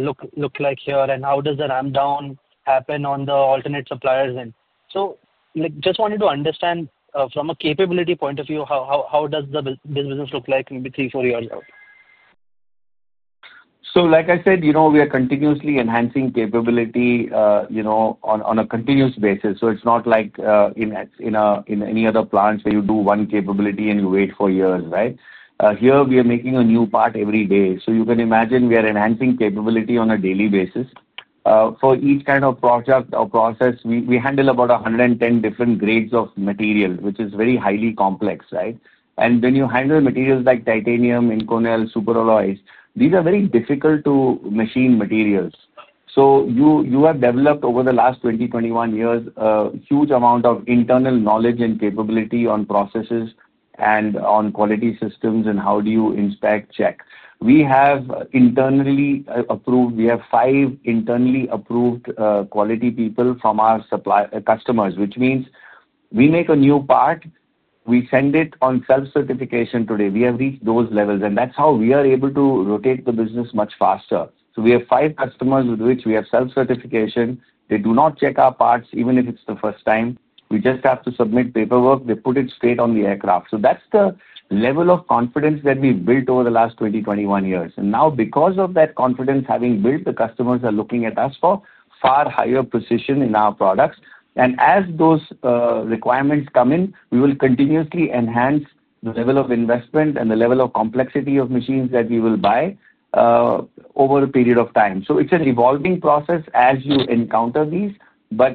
look like here and how does the ramp down happen on the alternate suppliers? I just wanted to understand, from a capability point of view, how does the business look like maybe three, four years out? Like I said, we are continuously enhancing capability on a continuous basis. It's not like in any other plants where you do one capability and you wait for years, right? Here we are making a new part every day. You can imagine we are enhancing capability on a daily basis. For each kind of project or process, we handle about 110 different grades of material, which is very highly complex, right? When you handle materials like titanium, Inconel, super alloys, these are very difficult to machine materials. You have developed over the last 20, 21 years a huge amount of internal knowledge and capability on processes and on quality systems and how you inspect, check. We have five internally approved quality people from our customers, which means we make a new part, we send it on self-certification today. We have reached those levels. That's how we are able to rotate the business much faster. We have five customers with which we have self-certification. They do not check our parts, even if it's the first time. We just have to submit paperwork. They put it straight on the aircraft. That's the level of confidence that we've built over the last 20, 21 years. Now, because of that confidence having built, the customers are looking at us for far higher precision in our products. As those requirements come in, we will continuously enhance the level of investment and the level of complexity of machines that we will buy over a period of time. It's an evolving process as you encounter these.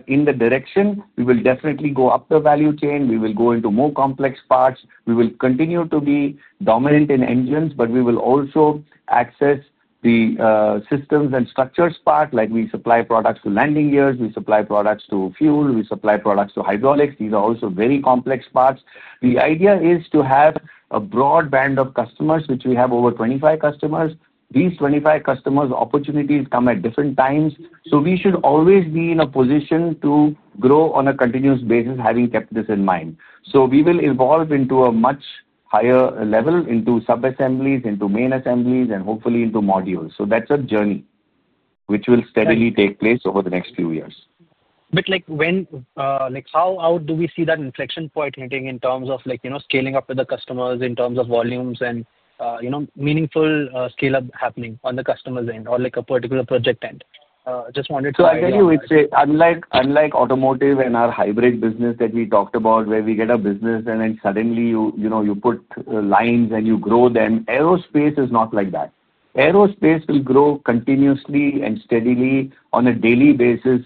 In the direction, we will definitely go up the value chain. We will go into more complex parts. We will continue to be dominant in engines, but we will also access the systems and structures part. Like we supply products to landing gears. We supply products to fuel. We supply products to hydraulics. These are also very complex parts. The idea is to have a broad band of customers, which we have over 25 customers. These 25 customers' opportunities come at different times. We should always be in a position to grow on a continuous basis, having kept this in mind. We will evolve into a much higher level, into subassemblies, into main assemblies, and hopefully into modules. That's a journey which will steadily take place over the next few years. When, like how out do we see that inflection point hitting in terms of scaling up with the customers in terms of volumes and meaningful scale-up happening on the customer's end or a particular project end? Just wanted to. I'll tell you, it's unlike automotive and our hybrid business that we talked about where we get a business and then suddenly, you know, you put lines and you grow them. Aerospace is not like that. Aerospace will grow continuously and steadily on a daily basis.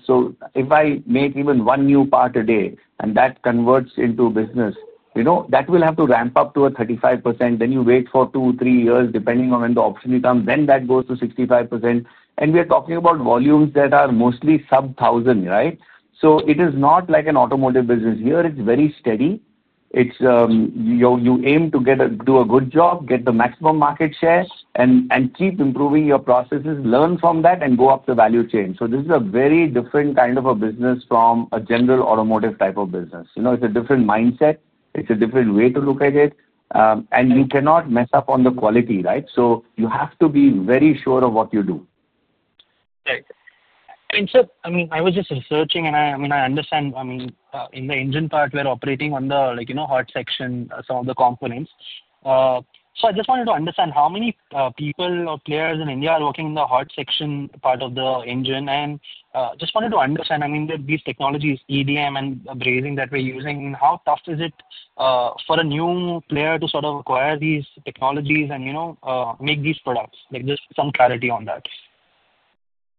If I make even one new part a day and that converts into business, you know, that will have to ramp up to a 35%. You wait for two, three years, depending on when the opportunity comes. That goes to 65%. We are talking about volumes that are mostly sub-1,000, right? It is not like an automotive business here. It's very steady. You aim to do a good job, get the maximum market share, and keep improving your processes, learn from that, and go up the value chain. This is a very different kind of a business from a general automotive type of business. It's a different mindset. It's a different way to look at it. You cannot mess up on the quality, right? You have to be very sure of what you do. Right. Sir, I was just researching and I understand in the engine part, we're operating on the hot section, some of the components. I just wanted to understand how many people or players in India are working in the hot section part of the engine. I just wanted to understand, these technologies, EDM and abrasion that we're using, how tough is it for a new player to acquire these technologies and make these products? Just some clarity on that.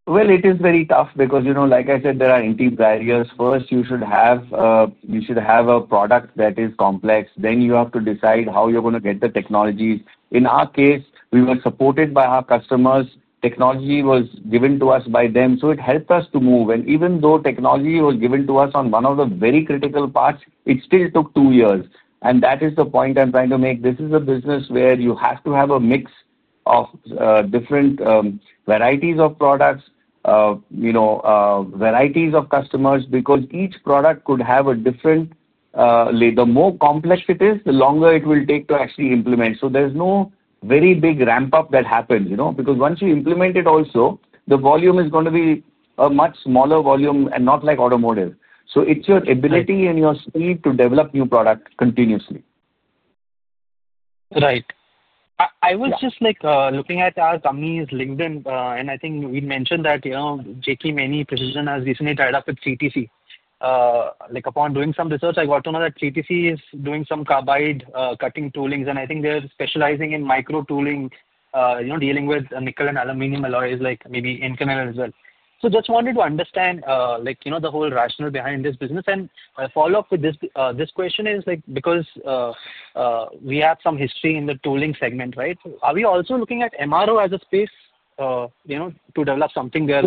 It is very tough because, you know, like I said, there are intrinsic barriers. First, you should have a product that is complex. Then you have to decide how you're going to get the technologies. In our case, we were supported by our customers. Technology was given to us by them. It helped us to move. Even though technology was given to us on one of the very critical parts, it still took two years. That is the point I'm trying to make. This is a business where you have to have a mix of different varieties of products, varieties of customers, because each product could have a different, the more complex it is, the longer it will take to actually implement. There is no very big ramp-up that happens, because once you implement it, also the volume is going to be a much smaller volume and not like automotive. It is your ability and your speed to develop new products continuously. Right. I was just looking at our company's LinkedIn, and I think we mentioned that, you know, JK Maini Precision Technology Limited has recently tied up with CTC. Like upon doing some research, I got to know that CTC is doing some carbide cutting toolings, and I think they're specializing in micro tooling, you know, dealing with nickel and aluminum alloys, like maybe Inconel as well. I just wanted to understand, you know, the whole rationale behind this business. My follow-up with this question is because we have some history in the tooling segment, right? Are we also looking at MRO as a space, you know, to develop something there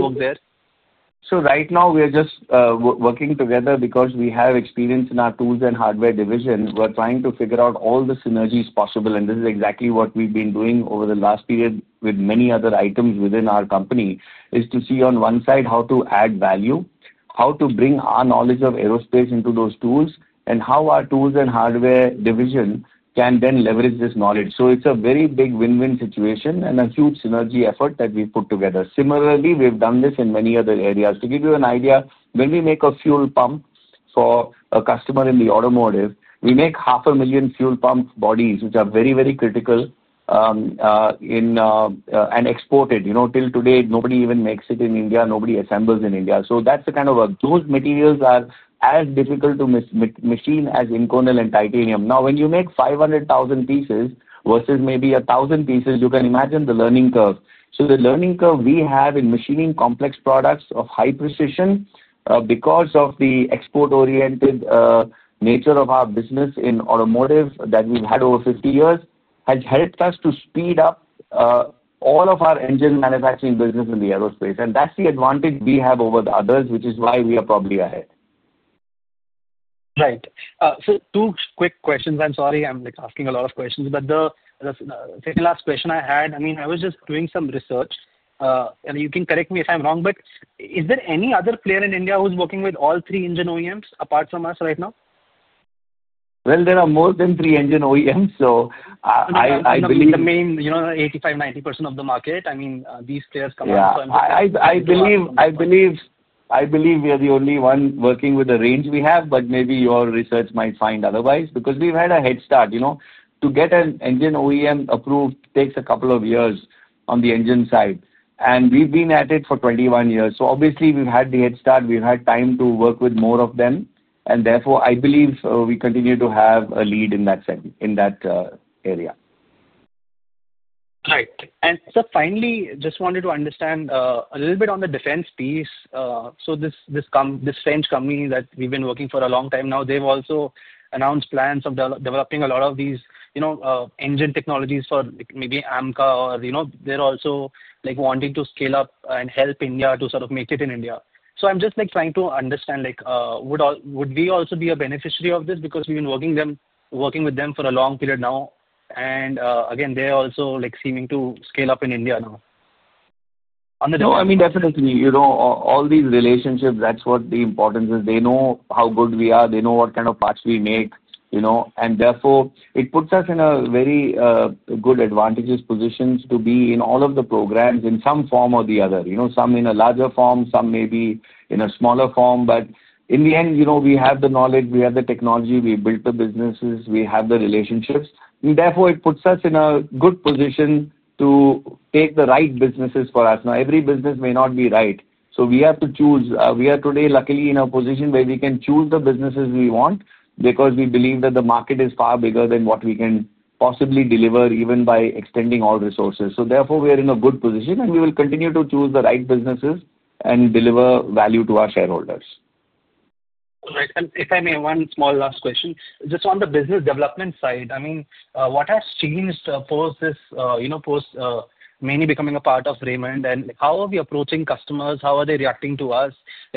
over there? Right now, we are just working together because we have experience in our Tools & Hardware division. We're trying to figure out all the synergies possible. This is exactly what we've been doing over the last period with many other items within our company, to see on one side how to add value, how to bring our knowledge of Aerospace into those tools, and how our Tools & Hardware division can then leverage this knowledge. It's a very big win-win situation and a huge synergy effort that we've put together. Similarly, we've done this in many other areas. To give you an idea, when we make a fuel pump for a customer in the automotive, we make 500,000 fuel pump bodies, which are very, very critical, and exported. Till today, nobody even makes it in India. Nobody assembles in India. That's the kind of those materials that are as difficult to machine as Inconel and titanium. Now, when you make 500,000 pieces versus maybe 1,000 pieces, you can imagine the learning curve. The learning curve we have in machining complex products of high precision, because of the export-oriented nature of our business in automotive that we've had over 50 years, has helped us to speed up all of our engine manufacturing business in the Aerospace. That's the advantage we have over the others, which is why we are probably ahead. Right. Two quick questions. I'm sorry I'm asking a lot of questions, but the second last question I had, I was just doing some research. You can correct me if I'm wrong, but is there any other player in India who's working with all three engine OEMs apart from us right now? There are more than three engine OEMs, so I believe. I mean, the main, you know, 85%-90% of the market, these players come out. I believe we are the only one working with the range we have, but maybe your research might find otherwise because we've had a head start. To get an engine OEM approved takes a couple of years on the engine side, and we've been at it for 21 years. Obviously, we've had the head start, we've had time to work with more of them, and therefore, I believe we continue to have a lead in that area. Right. Finally, I just wanted to understand a little bit on the defense piece. This French company that we've been working with for a long time now, they've also announced plans of developing a lot of these engine technologies for maybe AMCA or, you know, they're also wanting to scale up and help India to sort of make it in India. I'm just trying to understand, would we also be a beneficiary of this because we've been working with them for a long period now? They're also seeming to scale up in India now. No, I mean, definitely. You know, all these relationships, that's what the importance is. They know how good we are. They know what kind of parts we make, you know, and therefore, it puts us in a very good, advantageous position to be in all of the programs in some form or the other. Some in a larger form, some maybe in a smaller form. In the end, we have the knowledge, we have the technology, we built the businesses, we have the relationships. Therefore, it puts us in a good position to take the right businesses for us. Now, every business may not be right. We have to choose. We are today, luckily, in a position where we can choose the businesses we want because we believe that the market is far bigger than what we can possibly deliver, even by extending all resources. Therefore, we are in a good position, and we will continue to choose the right businesses and deliver value to our shareholders. All right. If I may, one small last question. Just on the business development side, what has changed post this, you know, post Maini becoming a part of Raymond? How are we approaching customers? How are they reacting to us?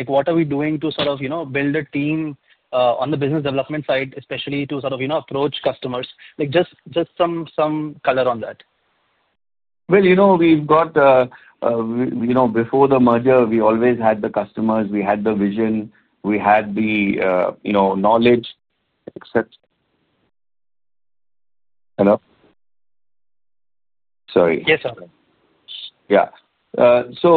What are we doing to sort of build a team on the business development side, especially to sort of approach customers? Just some color on that. We've got, before the merger, we always had the customers. We had the vision. We had the knowledge, except. Hello? Sorry. Yes, sir. Yeah,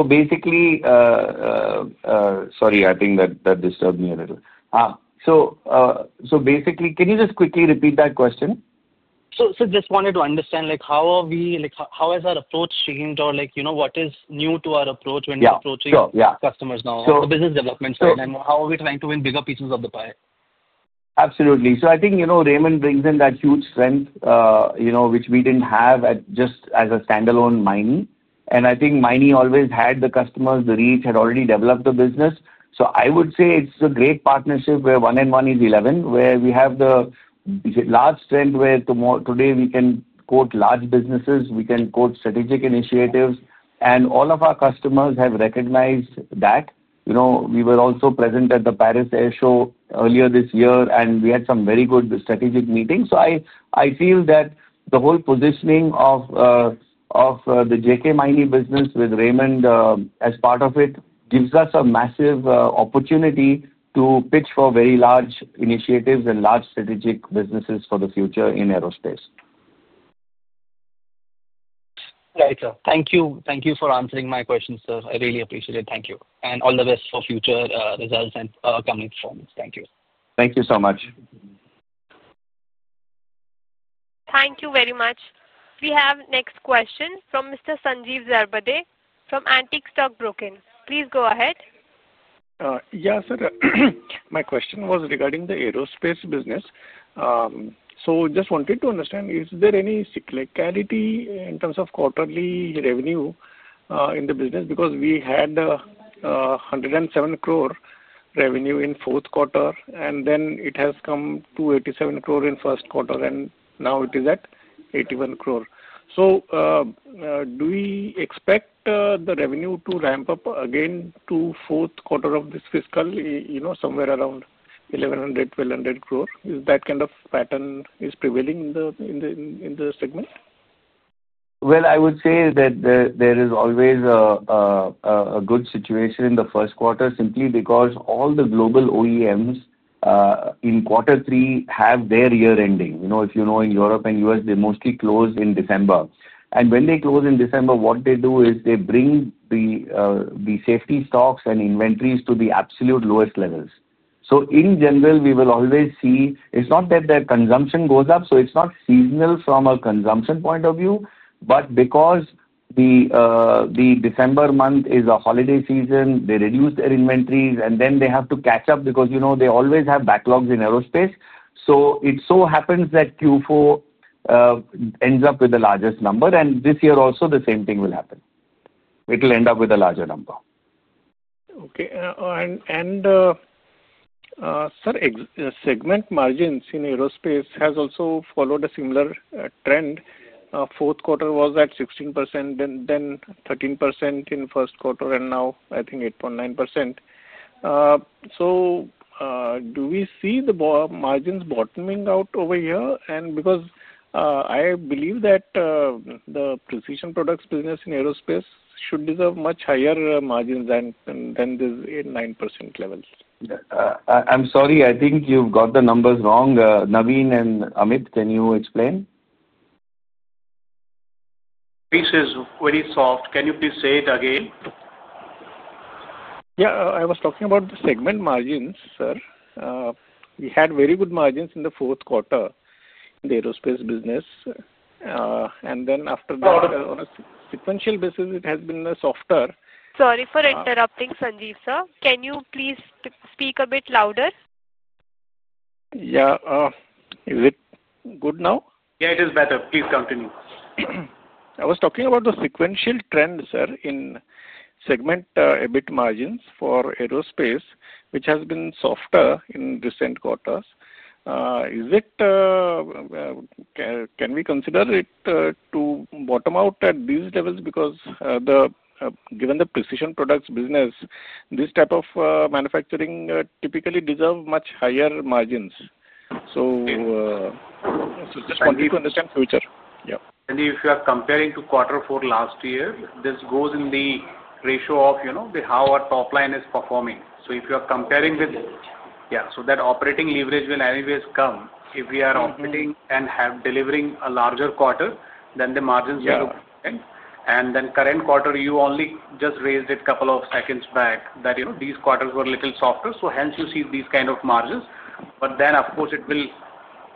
basically, sorry, I think that disturbed me a little. Basically, can you just quickly repeat that question? I just wanted to understand, like how are we, like how has our approach changed or, like, you know, what is new to our approach when we're approaching customers now on the business development side? How are we trying to win bigger pieces of the pie? Absolutely. I think Raymond brings in that huge strength, which we didn't have just as a standalone Maini. I think Maini always had the customers, the reach, had already developed the business. I would say it's a great partnership where one and one is 11, where we have the large strength. Today we can quote large businesses, we can quote strategic initiatives, and all of our customers have recognized that. We were also present at the Paris Air Show earlier this year, and we had some very good strategic meetings. I feel that the whole positioning of the JK Maini business with Raymond as part of it gives us a massive opportunity to pitch for very large initiatives and large strategic businesses for the future in Aerospace. Right, sir. Thank you. Thank you for answering my question, sir. I really appreciate it. Thank you, and all the best for future results and upcoming performance. Thank you. Thank you so much. Thank you very much. We have next question from Mr. Sanjeev Zarbade from Antique Stock Broking. Please go ahead. Yeah, sir. My question was regarding the Aerospace business. I just wanted to understand, is there any cyclicality in terms of quarterly revenue in the business? We had 107 crore revenue in the fourth quarter, and then it has come to 87 crore in the first quarter, and now it is at 81 crore. Do we expect the revenue to ramp up again to the fourth quarter of this fiscal, you know, somewhere around 1,100, 1,200 crore? Is that kind of pattern prevailing in the segment? There is always a good situation in the first quarter simply because all the global OEMs in quarter three have their year-ending. You know, if you know in Europe and U.S., they mostly close in December. When they close in December, what they do is they bring the safety stocks and inventories to the absolute lowest levels. In general, we will always see it's not that their consumption goes up. It's not seasonal from a consumption point of view, but because the December month is a holiday season, they reduce their inventories, and then they have to catch up because, you know, they always have backlogs in Aerospace. It so happens that Q4 ends up with the largest number. This year also, the same thing will happen. It'll end up with a larger number. Okay. Sir, segment margins in Aerospace have also followed a similar trend. Fourth quarter was at 16%, then 13% in first quarter, and now I think 8.9%. Do we see the margins bottoming out over here? I believe that the Precision Products business in Aerospace should deserve much higher margins than this [8.9%] level. I'm sorry. I think you've got the numbers wrong. Navin and Amit, can you explain? This is very soft. Can you please say it again? Yeah, I was talking about the segment margins, sir. We had very good margins in the fourth quarter in the Aerospace business. After that, on a sequential basis, it has been softer. Sorry for interrupting, Sanjeev sir. Can you please speak a bit louder? Yeah, is it good now? Yeah, it is better. Please continue. I was talking about the sequential trend, sir, in segment EBIT margins for Aerospace, which has been softer in recent quarters. Can we consider it to bottom out at these levels? Given the Precision Products business, this type of manufacturing typically deserves much higher margins. I just wanted to understand the future. Yeah. If you are comparing to quarter four last year, this goes in the ratio of how our top line is performing. If you are comparing with, yeah, that operating leverage will always come if we are operating and have delivering a larger quarter, then the margins will look different. In the current quarter, you just raised it a couple of seconds back that these quarters were a little softer. Hence, you see these kind of margins. Of course, it will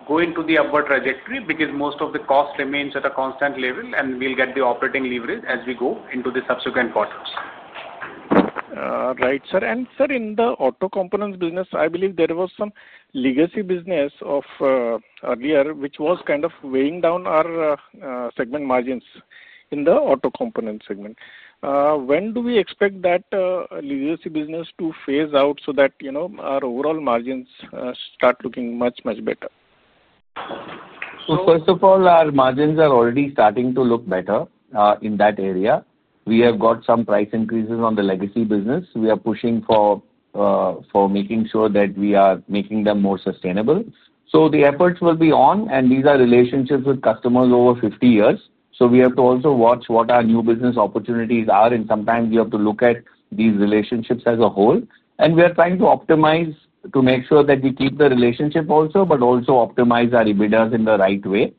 go into the upward trajectory because most of the cost remains at a constant level, and we'll get the operating leverage as we go into the subsequent quarters. Right, sir. In the Auto Components business, I believe there was some legacy business earlier, which was kind of weighing down our segment margins in the Auto Components segment. When do we expect that legacy business to phase out so that, you know, our overall margins start looking much, much better? First of all, our margins are already starting to look better in that area. We have got some price increases on the legacy business. We are pushing for making sure that we are making them more sustainable. The efforts will be on, and these are relationships with customers over 50 years. We have to also watch what our new business opportunities are. Sometimes you have to look at these relationships as a whole. We are trying to optimize to make sure that we keep the relationship also, but also optimize our EBITDA in the right way.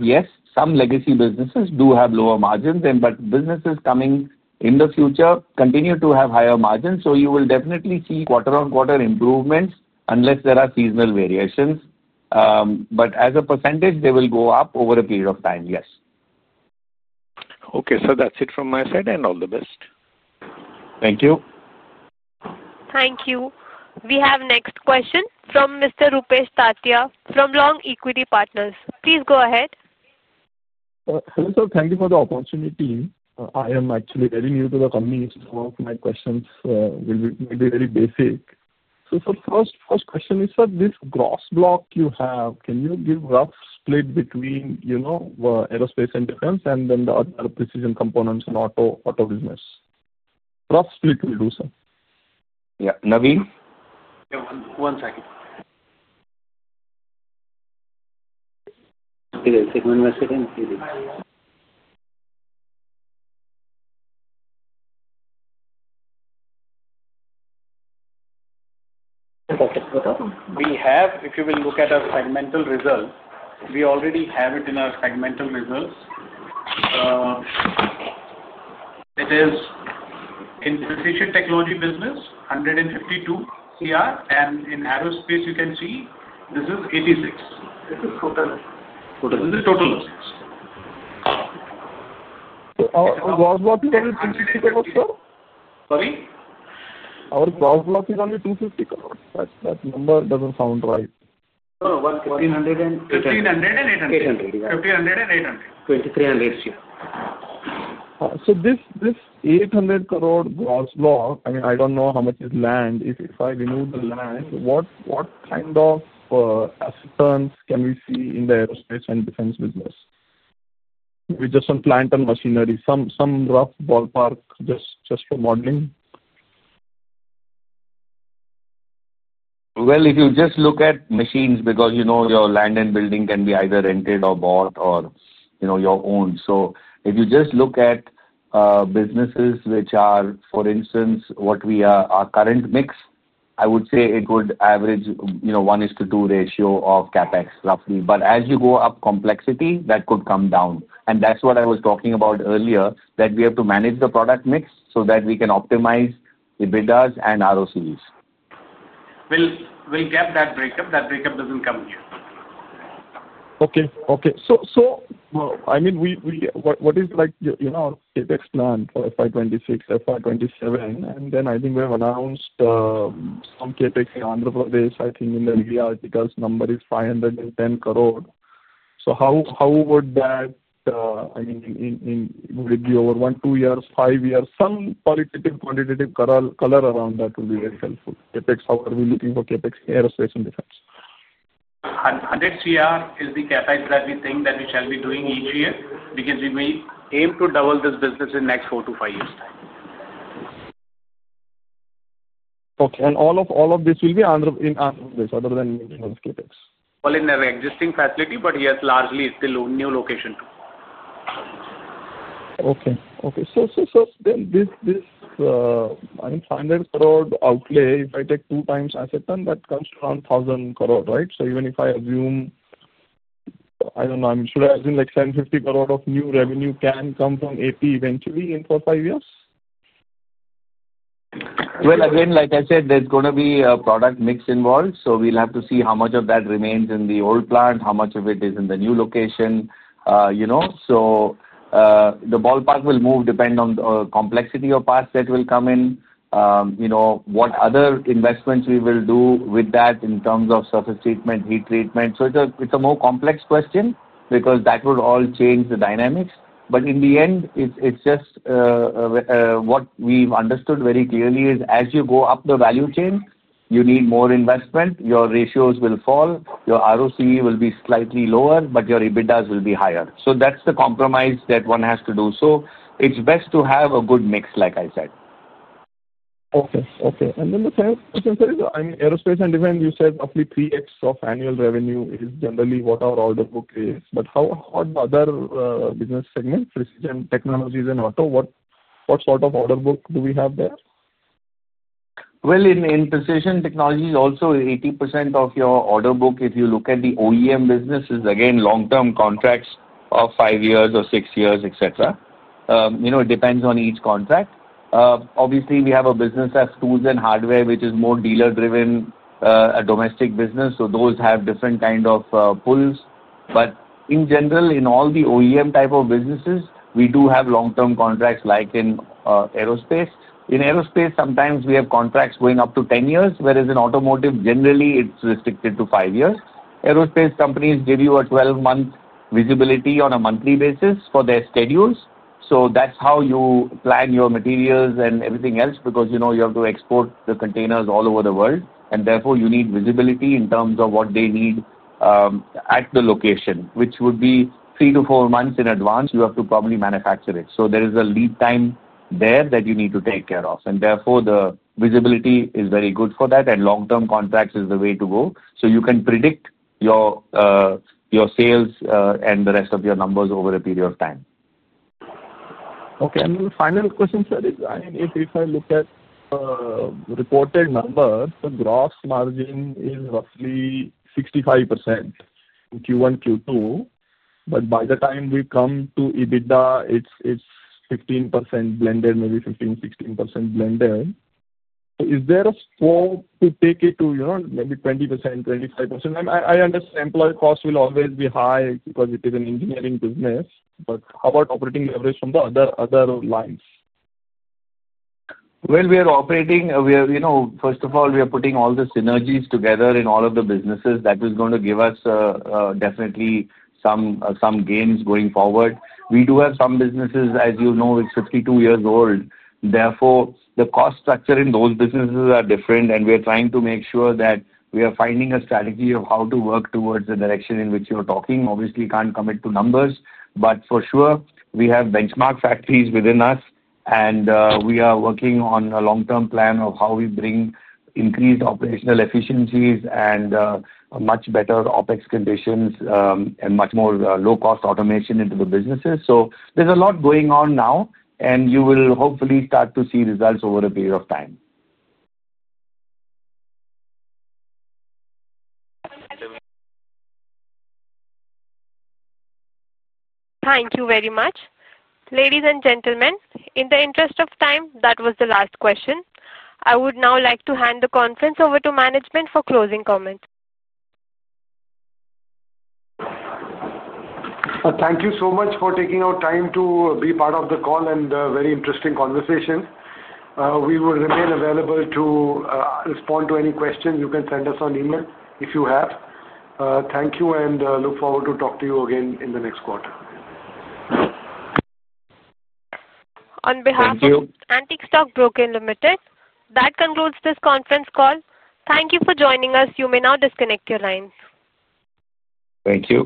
Yes, some legacy businesses do have lower margins, but businesses coming in the future continue to have higher margins. You will definitely see quarter-on-quarter improvements unless there are seasonal variations. As a percentage, they will go up over a period of time, yes. Okay, that's it from my side, and all the best. Thank you. Thank you. We have next question from. Please go ahead. Hello, sir. Thank you for the opportunity. I am actually very new to the company. Some of my questions will be very basic. Sir, first question is, this gross block you have, can you give a rough split between Aerospace & Defense and then the other Precision Components & Auto business? Rough split will do, sir. Yeah. Navin? Yeah, one second. If you will look at our segmental results, we already have it in our segmental results. It is in the Precision Technology business, 152 crore, and in Aerospace, you can see this is 86 crore. This is total. This is total. Our gross block is only 250 crore, sir. Sorry? Our gross block is only 250 crore. That number doesn't sound right. 1,500 and INR 800. INR 1,500 and INR 800. INR 1,500 and INR 800. INR 2,300 CR. This 800 crore gross block, I mean, I don't know how much is land. If I remove the land, what kind of assets can we see in the Aerospace & Defense business? Maybe just some plant and machinery, some rough ballpark just for modeling. If you just look at machines because, you know, your land and building can be either rented or bought or, you know, your own. If you just look at businesses which are, for instance, what we are our current mix, I would say it would average, you know, 1:2 ratio of CapEx roughly. As you go up complexity, that could come down. That's what I was talking about earlier, that we have to manage the product mix so that we can optimize EBITDA and ROCE. That breakup doesn't come here. Okay. What is, like, you know, our CapEx plan for FY 2026, FY 2027? I think we have announced some CapEx in Andhra Pradesh, I think in India, because the number is 510 crore. How would that, I mean, would it be over one, two years, five years? Some qualitative, quantitative color around that will be very helpful. CapEx, how are we looking for CapEx in Aerospace & Defense? 100 crore is the CapEx that we think that we shall be doing each year because we may aim to double this business in the next four to five years' time. Okay. All of this will be in Andhra Pradesh other than CapEx? In our existing facility, but yes, largely it's still a new location too. Okay. This 500 crore outlay, if I take 2x assets, then that comes to around 1,000 crore, right? Even if I assume, I don't know, should I assume like 750 crore of new revenue can come from AP eventually in four to five years? Like I said, there's going to be a product mix involved. We'll have to see how much of that remains in the old plant, how much of it is in the new location. The ballpark will move depending on the complexity of parts that will come in. What other investments we will do with that in terms of surface treatment, heat treatment, it's a more complex question because that would all change the dynamics. In the end, what we've understood very clearly is as you go up the value chain, you need more investment. Your ratios will fall, your ROC will be slightly lower, but your EBITDA will be higher. That's the compromise that one has to do. It's best to have a good mix, like I said. Okay. Okay. The third, I mean, Aerospace & Defense, you said roughly 3x of annual revenue is generally what our order book is. How about the other business segments, Precision Technologies & Auto? What sort of order book do we have there? In Precision Technologies, also 80% of your order book, if you look at the OEM business, is again long-term contracts of five years or six years, etc. It depends on each contract. Obviously, we have a business of Tools & Hardware, which is more dealer-driven, a domestic business. Those have different kinds of pulls. In general, in all the OEM type of businesses, we do have long-term contracts like in Aerospace. In Aerospace, sometimes we have contracts going up to 10 years, whereas in automotive, generally, it's restricted to five years. Aerospace companies give you a 12-month visibility on a monthly basis for their schedules. That's how you plan your materials and everything else because you know you have to export the containers all over the world. Therefore, you need visibility in terms of what they need at the location, which would be three to four months in advance. You have to probably manufacture it. There is a lead time there that you need to take care of. Therefore, the visibility is very good for that. Long-term contracts is the way to go. You can predict your sales and the rest of your numbers over a period of time. Okay. The final question, sir, is, I mean, if I look at the reported numbers, the gross margin is roughly 65% in Q1, Q2. By the time we come to EBITDA, it's 15% blended, maybe 15%, 16% blended. Is there a score to take it to, you know, maybe 20%, 25%? I understand employee cost will always be high because it is an engineering business. How about operating leverage from the other lines? We are operating, you know, first of all, we are putting all the synergies together in all of the businesses. That is going to give us definitely some gains going forward. We do have some businesses, as you know, which are 52 years old. Therefore, the cost structure in those businesses is different. We are trying to make sure that we are finding a strategy of how to work towards the direction in which you're talking. Obviously, can't commit to numbers. For sure, we have benchmark factories within us, and we are working on a long-term plan of how we bring increased operational efficiencies and much better OpEx conditions and much more low-cost automation into the businesses. There's a lot going on now, and you will hopefully start to see results over a period of time. Thank you very much. Ladies and gentlemen, in the interest of time, that was the last question. I would now like to hand the conference over to management for closing comments. Thank you so much for taking out time to be part of the call and the very interesting conversation. We will remain available to respond to any questions. You can send us an email if you have. Thank you and look forward to talking to you again in the next quarter. On behalf of Antique Stock Broking Limited, that concludes this conference call. Thank you for joining us. You may now disconnect your line. Thank you.